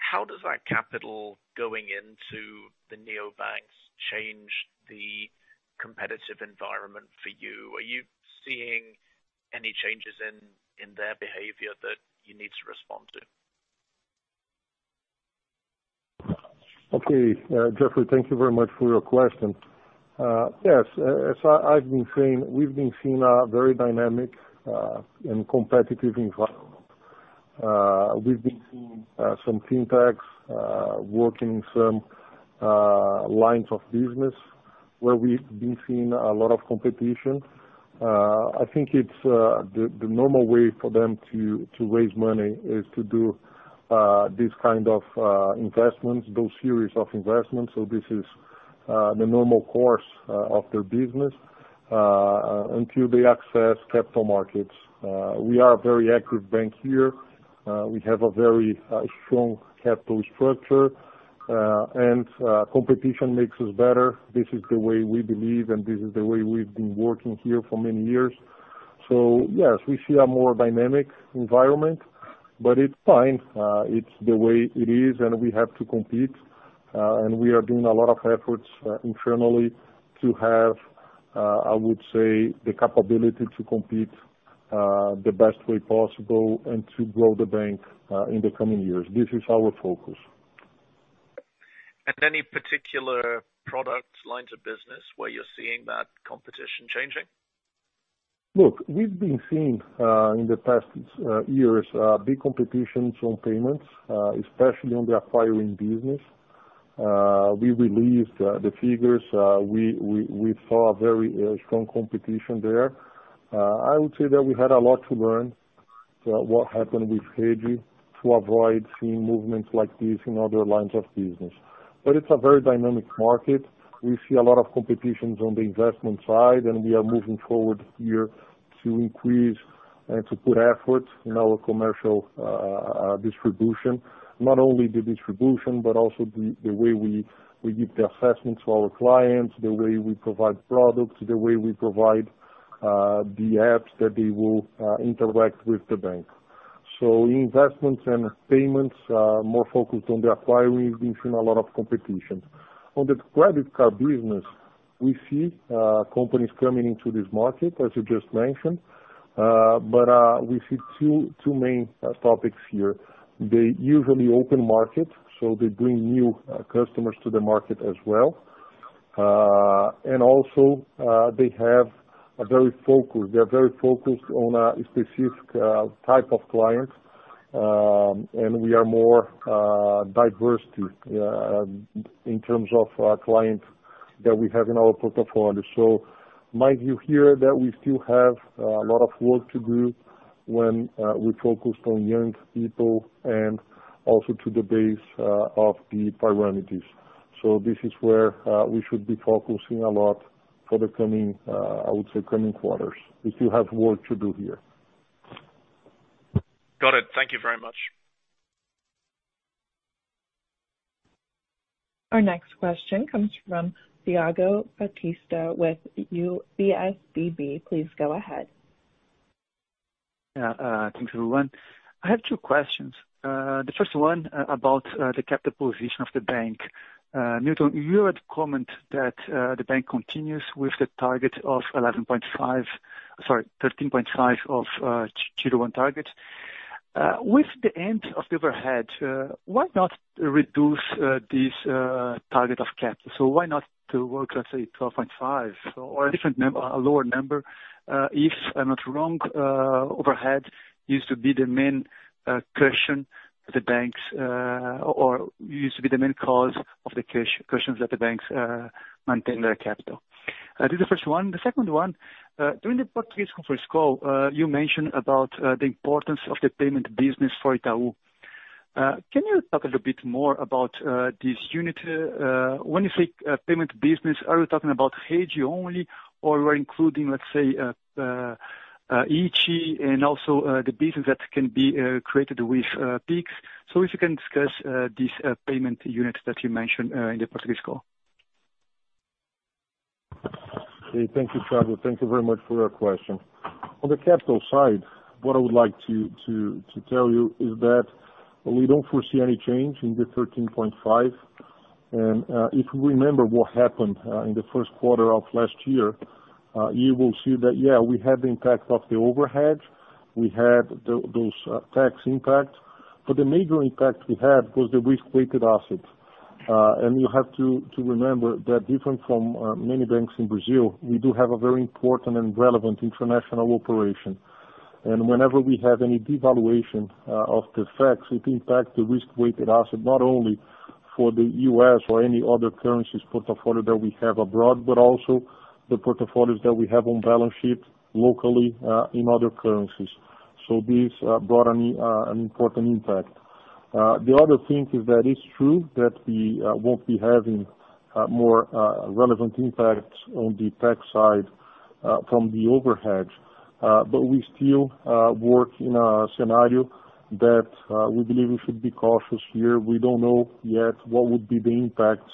G: How does that capital going into the neobanks change the competitive environment for you? Are you seeing any changes in their behavior that you need to respond to?
C: Okay. Geoffrey, thank you very much for your question. Yes. As I've been saying, we've been seeing a very dynamic and competitive environment. We've been seeing some fintechs working in some lines of business where we've been seeing a lot of competition. I think the normal way for them to raise money is to do this kind of investments, those series of investments. So this is the normal course of their business until they access capital markets. We are a very active bank here. We have a very strong capital structure, and competition makes us better. This is the way we believe, and this is the way we've been working here for many years. So yes, we see a more dynamic environment, but it's fine. It's the way it is, and we have to compete. And we are doing a lot of efforts internally to have, I would say, the capability to compete the best way possible and to grow the bank in the coming years. This is our focus.
G: And any particular product lines of business where you're seeing that competition changing?
C: Look, we've been seeing in the past years big competitions on payments, especially on the acquiring business. We released the figures. We saw a very strong competition there. I would say that we had a lot to learn what happened with Rede to avoid seeing movements like this in other lines of business. But it's a very dynamic market. We see a lot of competition on the investment side, and we are moving forward here to increase and to put effort in our commercial distribution, not only the distribution but also the way we give the assessments to our clients, the way we provide products, the way we provide the apps that they will interact with the bank. So investments and payments more focused on the acquiring have been seeing a lot of competition. On the credit card business, we see companies coming into this market, as you just mentioned. But we see two main topics here. They usually open the market, so they bring new customers to the market as well. They are very focused on a specific type of client, and we are more diverse in terms of clients that we have in our portfolio. So my view here is that we still have a lot of work to do when we focus on young people and also to the base of the pyramids. So this is where we should be focusing a lot for the coming, I would say, coming quarters. We still have work to do here.
G: Got it. Thank you very much.
A: Our next question comes from Thiago Batista with UBS BB. Please go ahead.
H: Thank you, Lulia. I have two questions. The first one about the capital position of the bank. Milton, you had commented that the bank continues with the target of 11.5, sorry, 13.5 of Tier 1 target. With the end of the overhedge, why not reduce this target of capital? So why not work, let's say, 12.5 or a different lower number if I'm not wrong? Overhedge used to be the main question of the banks or used to be the main cause of the questions that the banks maintain their capital. This is the first one. The second one, during the Portuguese conference call, you mentioned about the importance of the payment business for Itaú. Can you talk a little bit more about this unit? When you say payment business, are you talking about Rede only, or you are including, let's say, iti and also the business that can be created with Pix? So if you can discuss this payment unit that you mentioned in the Portuguese call.
C: Okay. Thank you, Thiago. Thank you very much for your question. On the capital side, what I would like to tell you is that we don't foresee any change in the 13.5. And if you remember what happened in the first quarter of last year, you will see that, yeah, we had the impact of the overhedge. We had those tax impacts. But the major impact we had was the risk-weighted assets. And you have to remember that different from many banks in Brazil, we do have a very important and relevant international operation. And whenever we have any devaluation of the reais, it impacts the risk-weighted asset not only for the U.S. or any other currencies portfolio that we have abroad, but also the portfolios that we have on balance sheet locally in other currencies. So this brought an important impact. The other thing is that it's true that we won't be having more relevant impacts on the tax side from the overhedge. But we still work in a scenario that we believe we should be cautious here. We don't know yet what would be the impact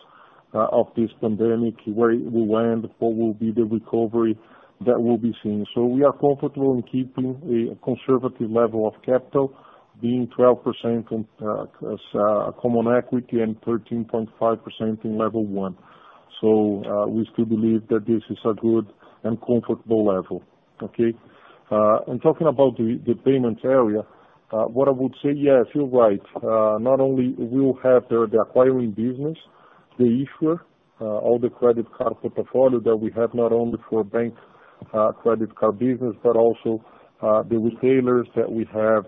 C: of this pandemic, where it will end, what will be the recovery that we'll be seeing. So we are comfortable in keeping a conservative level of capital, being 12% on common equity and 13.5% in level one. So we still believe that this is a good and comfortable level, okay? And talking about the payments area, what I would say, yeah, feel right. Not only we'll have the acquiring business, the issuer, all the credit card portfolio that we have, not only for bank credit card business, but also the retailers that we have.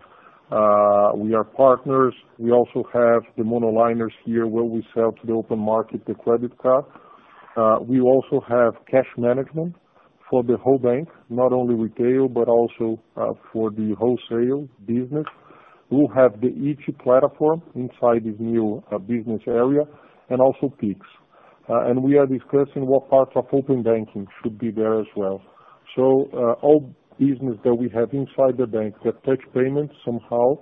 C: We are partners. We also have the monoliners here where we sell to the open market the credit card. We also have cash management for the whole bank, not only retail, but also for the wholesale business. We'll have the iti platform inside this new business area and also Pix. We are discussing what parts of Open Banking should be there as well. All business that we have inside the bank that touch payments somehow,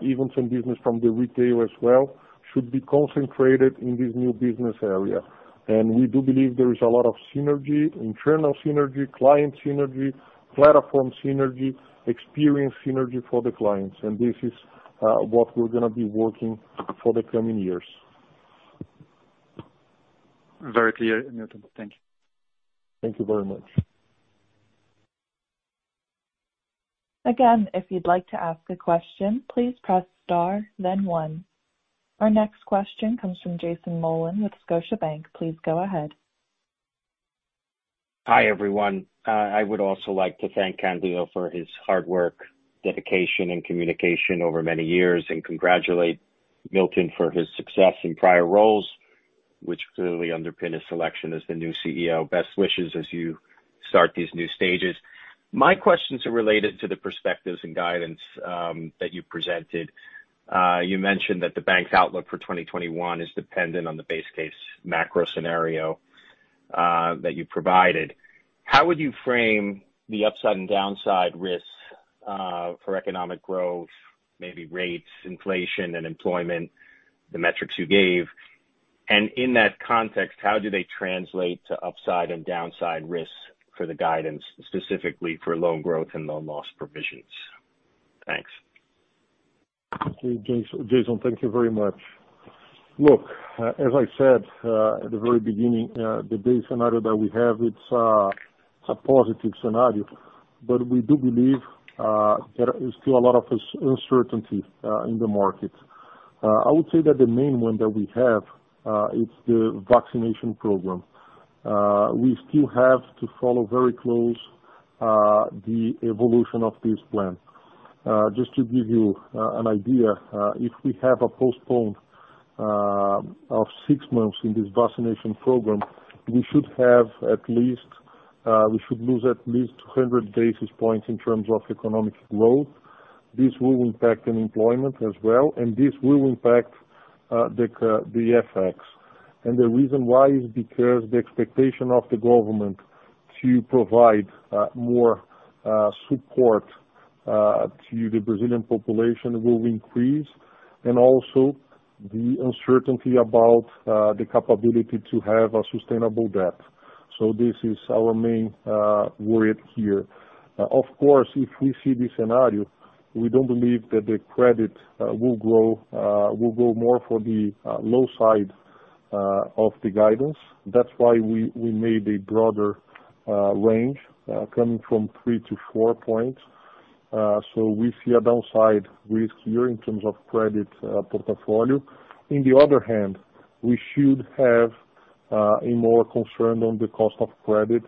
C: even some business from the retail as well, should be concentrated in this new business area. We do believe there is a lot of synergy, internal synergy, client synergy, platform synergy, experience synergy for the clients. This is what we're going to be working for the coming years.
H: Very clear, Milton. Thank you.
C: Thank you very much.
A: Again, if you'd like to ask a question, please press star, then one. Our next question comes from Jason Mollin with Scotiabank. Please go ahead.
I: Hi everyone. I would also like to thank Candido for his hard work, dedication, and communication over many years, and congratulate Milton for his success in prior roles, which clearly underpinned his selection as the new CEO. Best wishes as you start these new stages. My questions are related to the perspectives and guidance that you presented. You mentioned that the bank's outlook for 2021 is dependent on the base case macro scenario that you provided. How would you frame the upside and downside risks for economic growth, maybe rates, inflation, and employment, the metrics you gave? And in that context, how do they translate to upside and downside risks for the guidance, specifically for loan growth and loan loss provisions? Thanks.
C: Jason, thank you very much. Look, as I said at the very beginning, the base scenario that we have, it's a positive scenario. But we do believe there is still a lot of uncertainty in the market. I would say that the main one that we have is the vaccination program. We still have to follow very close the evolution of this plan. Just to give you an idea, if we have a postponement of six months in this vaccination program, we should lose at least 200 basis points in terms of economic growth. This will impact employment as well, and this will impact the effects. And the reason why is because the expectation of the government to provide more support to the Brazilian population will increase, and also the uncertainty about the capability to have a sustainable debt. So this is our main worry here. Of course, if we see this scenario, we don't believe that the credit will grow more than the low side of the guidance. That's why we made a broader range coming from three to four points. We see a downside risk here in terms of credit portfolio. On the other hand, we should have more of a concern on the cost of credit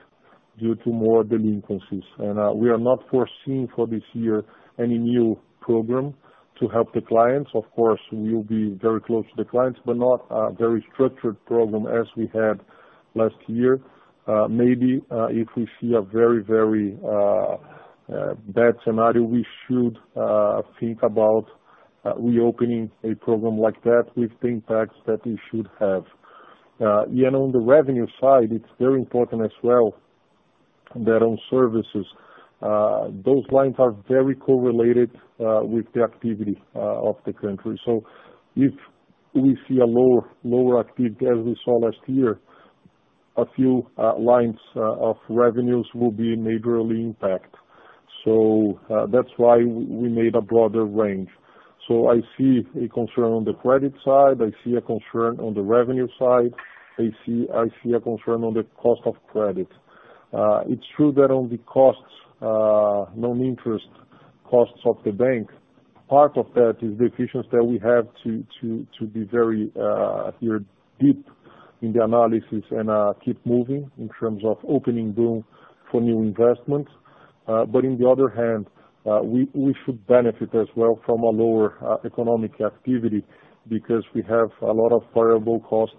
C: due to more delinquencies, and we are not foreseeing for this year any new program to help the clients. Of course, we will be very close to the clients, but not a very structured program as we had last year. Maybe if we see a very, very bad scenario, we should think about reopening a program like that with the impacts that we should have. On the revenue side, it's very important as well that on services, those lines are very correlated with the activity of the country. If we see a lower activity as we saw last year, a few lines of revenues will be majorly impacted. That's why we made a broader range. I see a concern on the credit side. I see a concern on the revenue side. I see a concern on the cost of credit. It's true that on the costs, non-interest costs of the bank, part of that is the efficiency that we have to be very aware deep in the analysis and keep moving in terms of opening doors for new investments. On the other hand, we should benefit as well from a lower economic activity because we have a lot of variable costs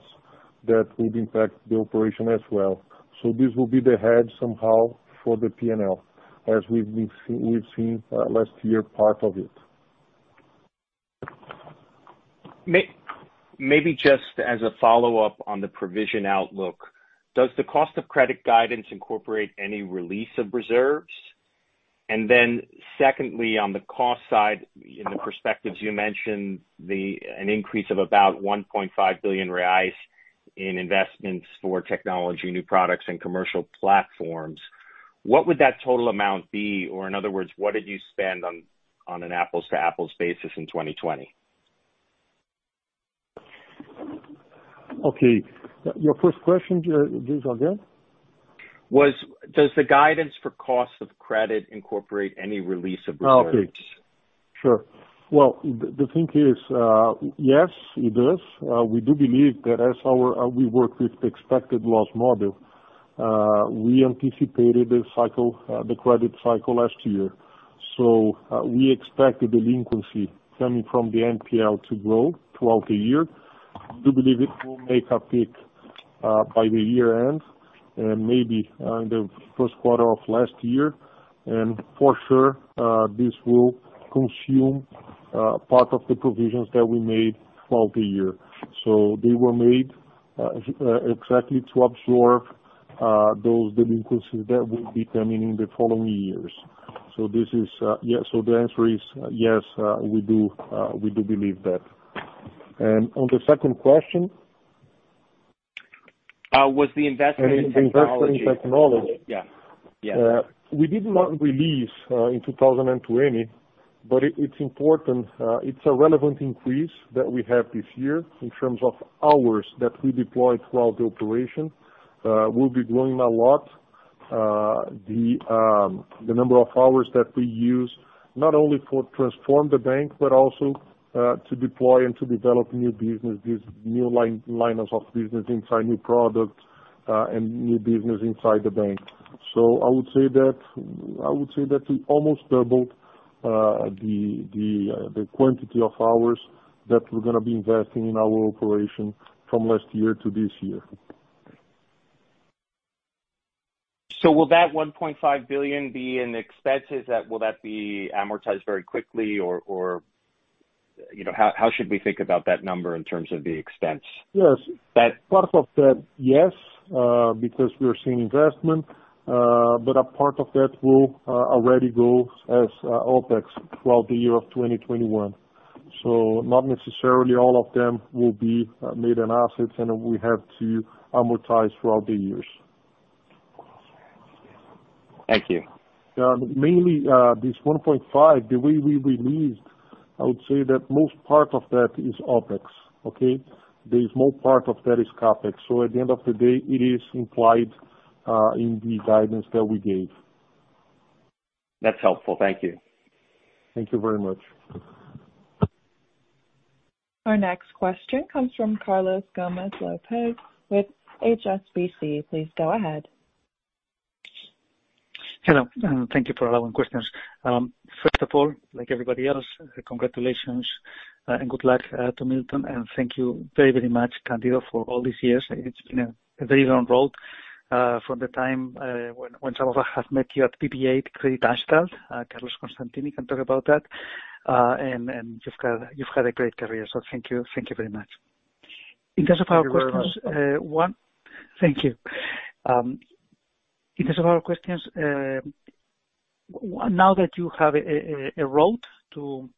C: that would impact the operation as well. This will be the head somehow for the P&L, as we've seen last year part of it.
I: Maybe just as a follow-up on the provision outlook, does the cost of credit guidance incorporate any release of reserves? And then secondly, on the cost side, in the perspectives you mentioned, an increase of about 1.5 billion reais in investments for technology, new products, and commercial platforms. What would that total amount be? Or in other words, what did you spend on an apples-to-apples basis in 2020?
C: Okay. Your first question, Jason, again?
I: Does the guidance for cost of credit incorporate any release of reserves?
C: Sure. Well, the thing is, yes, it does. We do believe that as we work with the expected loss model, we anticipated the credit cycle last year. So we expected delinquency coming from the NPL to grow throughout the year. We do believe it will make a peak by the year-end and maybe in the first quarter of last year, and for sure, this will consume part of the provisions that we made throughout the year, so they were made exactly to absorb those delinquencies that will be coming in the following years, so this is, yeah, so the answer is yes, we do believe that, and on the second question.
I: Was the investment in technology?
C: Investment in technology.
I: Yeah. Yeah.
C: We did not release in 2020, but it's important. It's a relevant increase that we have this year in terms of hours that we deployed throughout the operation. We'll be growing a lot. The number of hours that we use, not only for transform the bank, but also to deploy and to develop new business, these new lines of business inside new products and new business inside the bank. So I would say that we almost doubled the quantity of hours that we're going to be investing in our operation from last year to this year.
I: So will that 1.5 billion be an expense? Will that be amortized very quickly, or how should we think about that number in terms of the expense?
C: Yes. Part of that, yes, because we are seeing investment, but a part of that will already go as OpEx throughout the year of 2021. So not necessarily all of them will be made in assets, and we have to amortize throughout the years.
I: Thank you.
C: Mainly this 1.5 billion, the way we released, I would say that most part of that is OpEx, okay? The small part of that is CapEx. So at the end of the day, it is implied in the guidance that we gave.
I: That's helpful. Thank you.
C: Thank you very much.
A: Our next question comes from Carlos Gomez-Lopez with HSBC. Please go ahead.
J: Hello. Thank you for allowing questions. First of all, like everybody else, congratulations and good luck to Milton, and thank you very, very much, Candido, for all these years. It's been a very long road from the time when some of us have met you at BBA Creditanstalt. Candido can talk about that. And you've had a great career. So thank you very much. In terms of our questions, now that you have a road to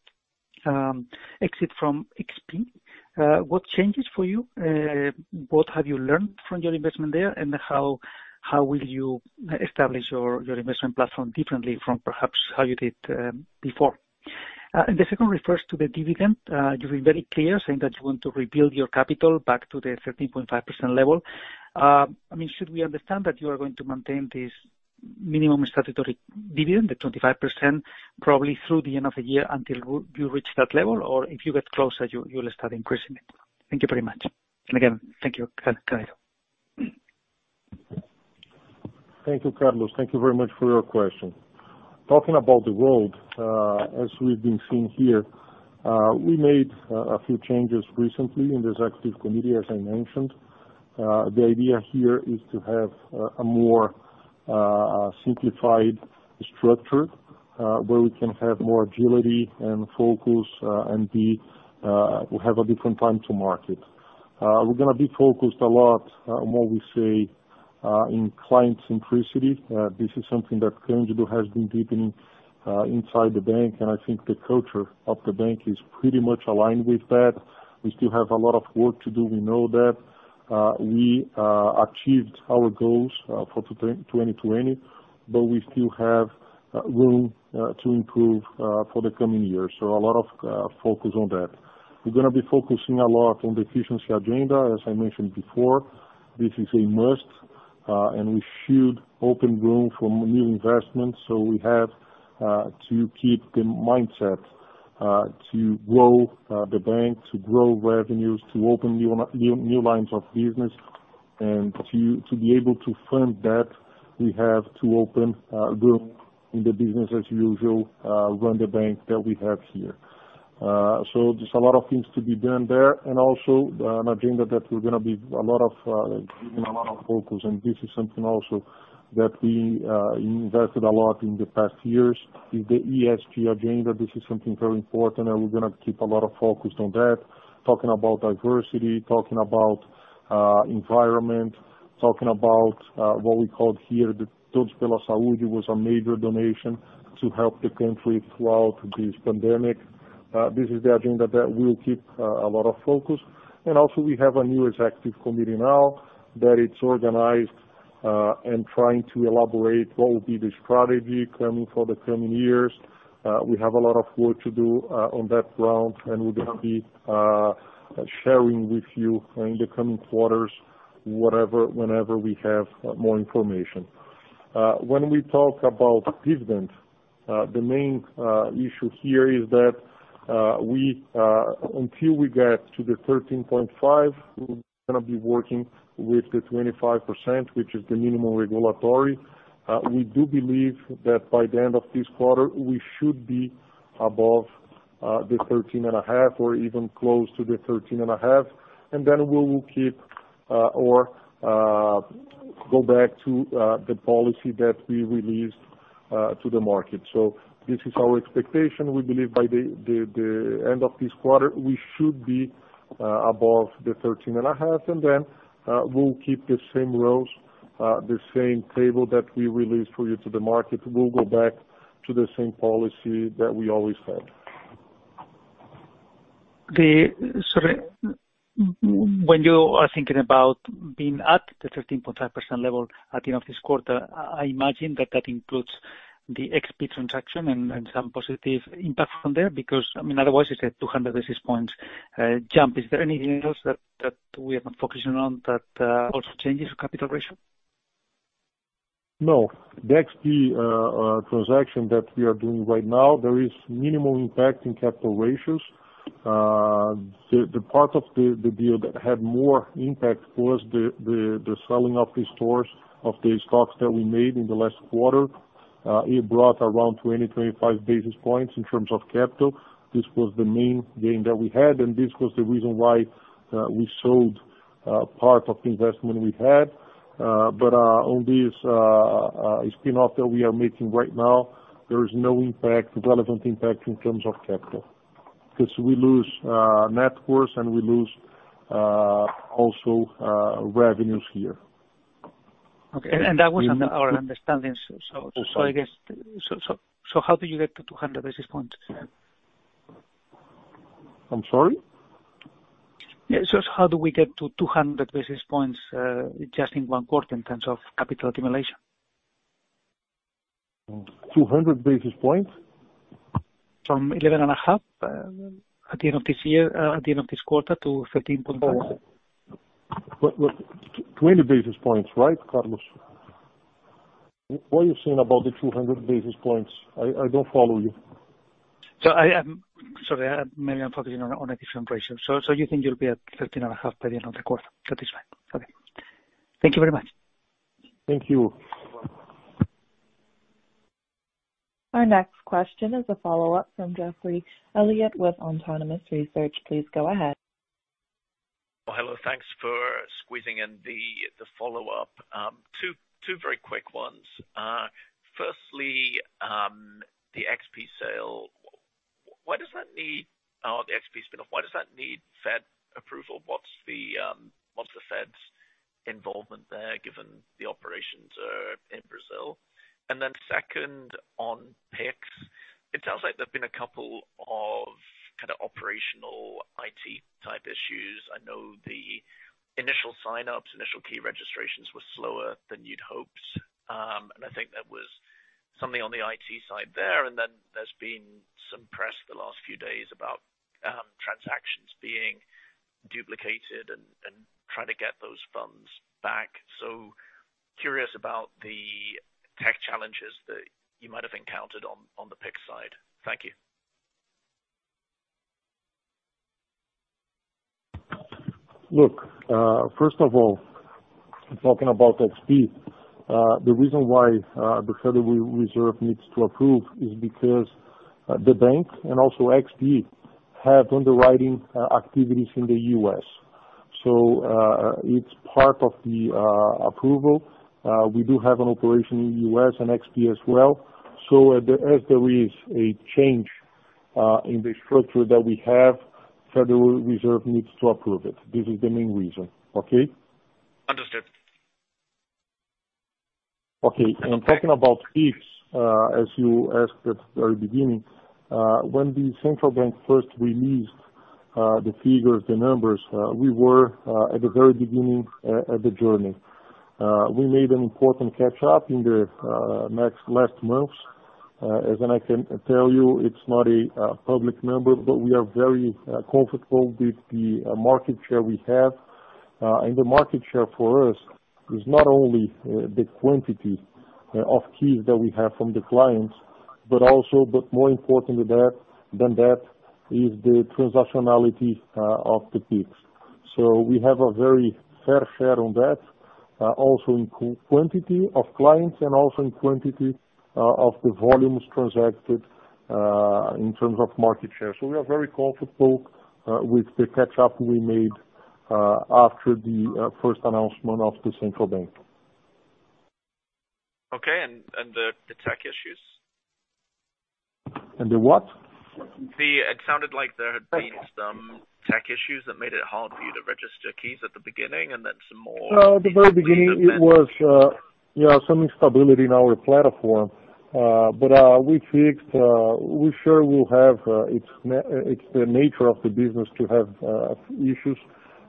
J: exit from XP, what changes for you? What have you learned from your investment there, and how will you establish your investment platform differently from perhaps how you did before? And the second refers to the dividend. You've been very clear saying that you want to rebuild your capital back to the 13.5% level. I mean, should we understand that you are going to maintain this minimum statutory dividend, the 25%, probably through the end of the year until you reach that level, or if you get closer, you'll start increasing it? Thank you very much, and again, thank you, Candido.
C: Thank you, Carlos. Thank you very much for your question. Talking about the road, as we've been seeing here, we made a few changes recently in the executive committee, as I mentioned. The idea here is to have a more simplified structure where we can have more agility and focus and have a different time to market. We're going to be focused a lot on what we say in client centricity. This is something that Candido has been deepening inside the bank, and I think the culture of the bank is pretty much aligned with that. We still have a lot of work to do. We know that we achieved our goals for 2020, but we still have room to improve for the coming years. So a lot of focus on that. We're going to be focusing a lot on the efficiency agenda, as I mentioned before. This is a must, and we should open room for new investments. So we have to keep the mindset to grow the bank, to grow revenues, to open new lines of business, and to be able to fund that we have to open room in the business, as usual, run the bank that we have here. So there's a lot of things to be done there. And also an agenda that we're going to be giving a lot of focus, and this is something also that we invested a lot in the past years, is the ESG agenda. This is something very important, and we're going to keep a lot of focus on that. Talking about diversity, talking about environment, talking about what we called here the Todos pela Saúde was a major donation to help the country throughout this pandemic. This is the agenda that we'll keep a lot of focus. And also we have a new executive committee now that it's organized and trying to elaborate what will be the strategy for the coming years. We have a lot of work to do on that ground, and we're going to be sharing with you in the coming quarters, whenever we have more information. When we talk about dividend, the main issue here is that until we get to the 13.5, we're going to be working with the 25%, which is the minimum regulatory. We do believe that by the end of this quarter, we should be above the 13.5 or even close to the 13.5, and then we will keep or go back to the policy that we released to the market, so this is our expectation. We believe by the end of this quarter, we should be above the 13.5, and then we'll keep the same ROEs, the same table that we released for you to the market. We'll go back to the same policy that we always had.
J: Sorry. When you are thinking about being at the 13.5% level at the end of this quarter, I imagine that that includes the XP transaction and some positive impact from there because, I mean, otherwise, it's a 200 basis points jump. Is there anything else that we are not focusing on that also changes your capital ratio?
C: No. The XP transaction that we are doing right now, there is minimal impact in capital ratios. The part of the deal that had more impact was the selling of the shares of the stocks that we made in the last quarter. It brought around 20-25 basis points in terms of capital. This was the main gain that we had, and this was the reason why we sold part of the investment we had. But on this spin-off that we are making right now, there is no relevant impact in terms of capital because we lose net worth and we also lose revenues here.
J: Okay, and that wasn't our understanding. So I guess, so how did you get to 200 basis points?
C: I'm sorry?
J: So how do we get to 200 basis points just in one quarter in terms of capital accumulation?
C: 200 basis points?
J: From 11.5 at the end of this year, at the end of this quarter to 13.5.
C: 20 basis points, right, Carlos? What are you saying about the 200 basis points? I don't follow you.
J: So sorry, maybe I'm focusing on a different ratio. So you think you'll be at 13.5 by the end of the quarter? That is fine. Okay. Thank you very much.
C: Thank you.
A: Our next question is a follow-up from Geoffrey Elliott with Autonomous Research.
G: Please go ahead. Hello. Thanks for squeezing in the follow-up. Two very quick ones. Firstly, the XP sale, why does that need the XP spin-off? Why does that need Fed approval? What's the Fed's involvement there given the operations in Brazil? And then second, on Pix, it sounds like there've been a couple of kind of operational IT-type issues. I know the initial sign-ups, initial key registrations were slower than you'd hoped. And I think that was something on the IT side there. And then there's been some press the last few days about transactions being duplicated and trying to get those funds back. So curious about the tech challenges that you might have encountered on the Pix side. Thank you.
C: Look, first of all, talking about XP, the reason why the Federal Reserve needs to approve is because the bank and also XP have underwriting activities in the U.S. It's part of the approval. We do have an operation in the U.S. and XP as well. So as there is a change in the structure that we have, the Federal Reserve needs to approve it. This is the main reason, okay?
G: Understood.
C: Okay. And talking about Pix, as you asked at the very beginning, when the Central Bank first released the figures, the numbers, we were at the very beginning of the journey. We made an important catch-up in the last months. As I can tell you, it's not a public member, but we are very comfortable with the market share we have. And the market share for us is not only the quantity of keys that we have from the clients, but also, but more important than that, is the transactionality of the Pix. So we have a very fair share on that, also in quantity of clients and also in quantity of the volumes transacted in terms of market share. So we are very comfortable with the catch-up we made after the first announcement of the Central Bank.
G: Okay. And the tech issues?
C: And the what?
G: It sounded like there had been some tech issues that made it hard for you to register keys at the beginning and then some more.
D: At the very beginning, it was, yeah, some instability in our platform. But we fixed. We sure will have. It's the nature of the business to have issues,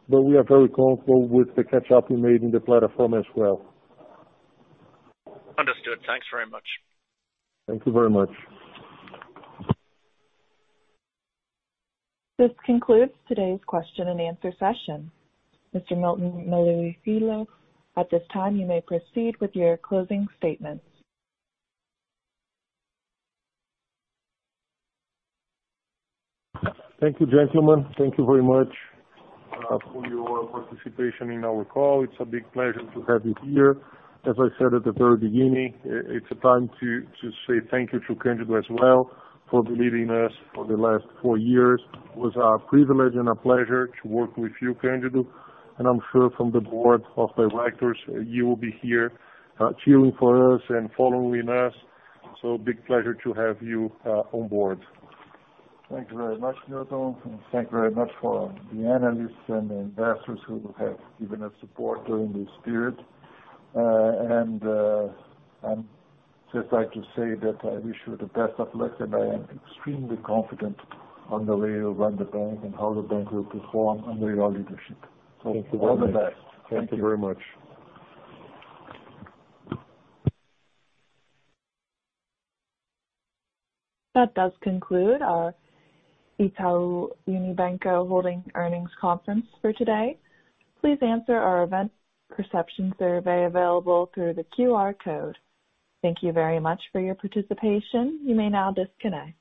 D: but we are very comfortable with the catch-up we made in the platform as well.
G: Understood. Thanks very much.
I: Thank you very much.
A: This concludes today's question and answer session. Mr. Milton Maluhy Filho, at this time, you may proceed with your closing statements.
C: Thank you, gentlemen. Thank you very much for your participation in our call. It's a big pleasure to have you here. As I said at the very beginning, it's a time to say thank you to Candido as well for believing in us for the last four years. It was a privilege and a pleasure to work with you, Candido. And I'm sure from the board of directors, you will be here cheering for us and following us. So big pleasure to have you on board. Thank you very much, Milton. And thank you very much for the analysts and the investors who have given us support during this period. And I'd just like to say that I wish you the best of luck, and I am extremely confident on the way you'll run the bank and how the bank will perform under your leadership. So all the best.
B: Thank you. Thank you very much. That does conclude our Itaú Unibanco Holding earnings conference for today. Please answer our event perception survey available through the QR code. Thank you very much for your participation. You may now disconnect.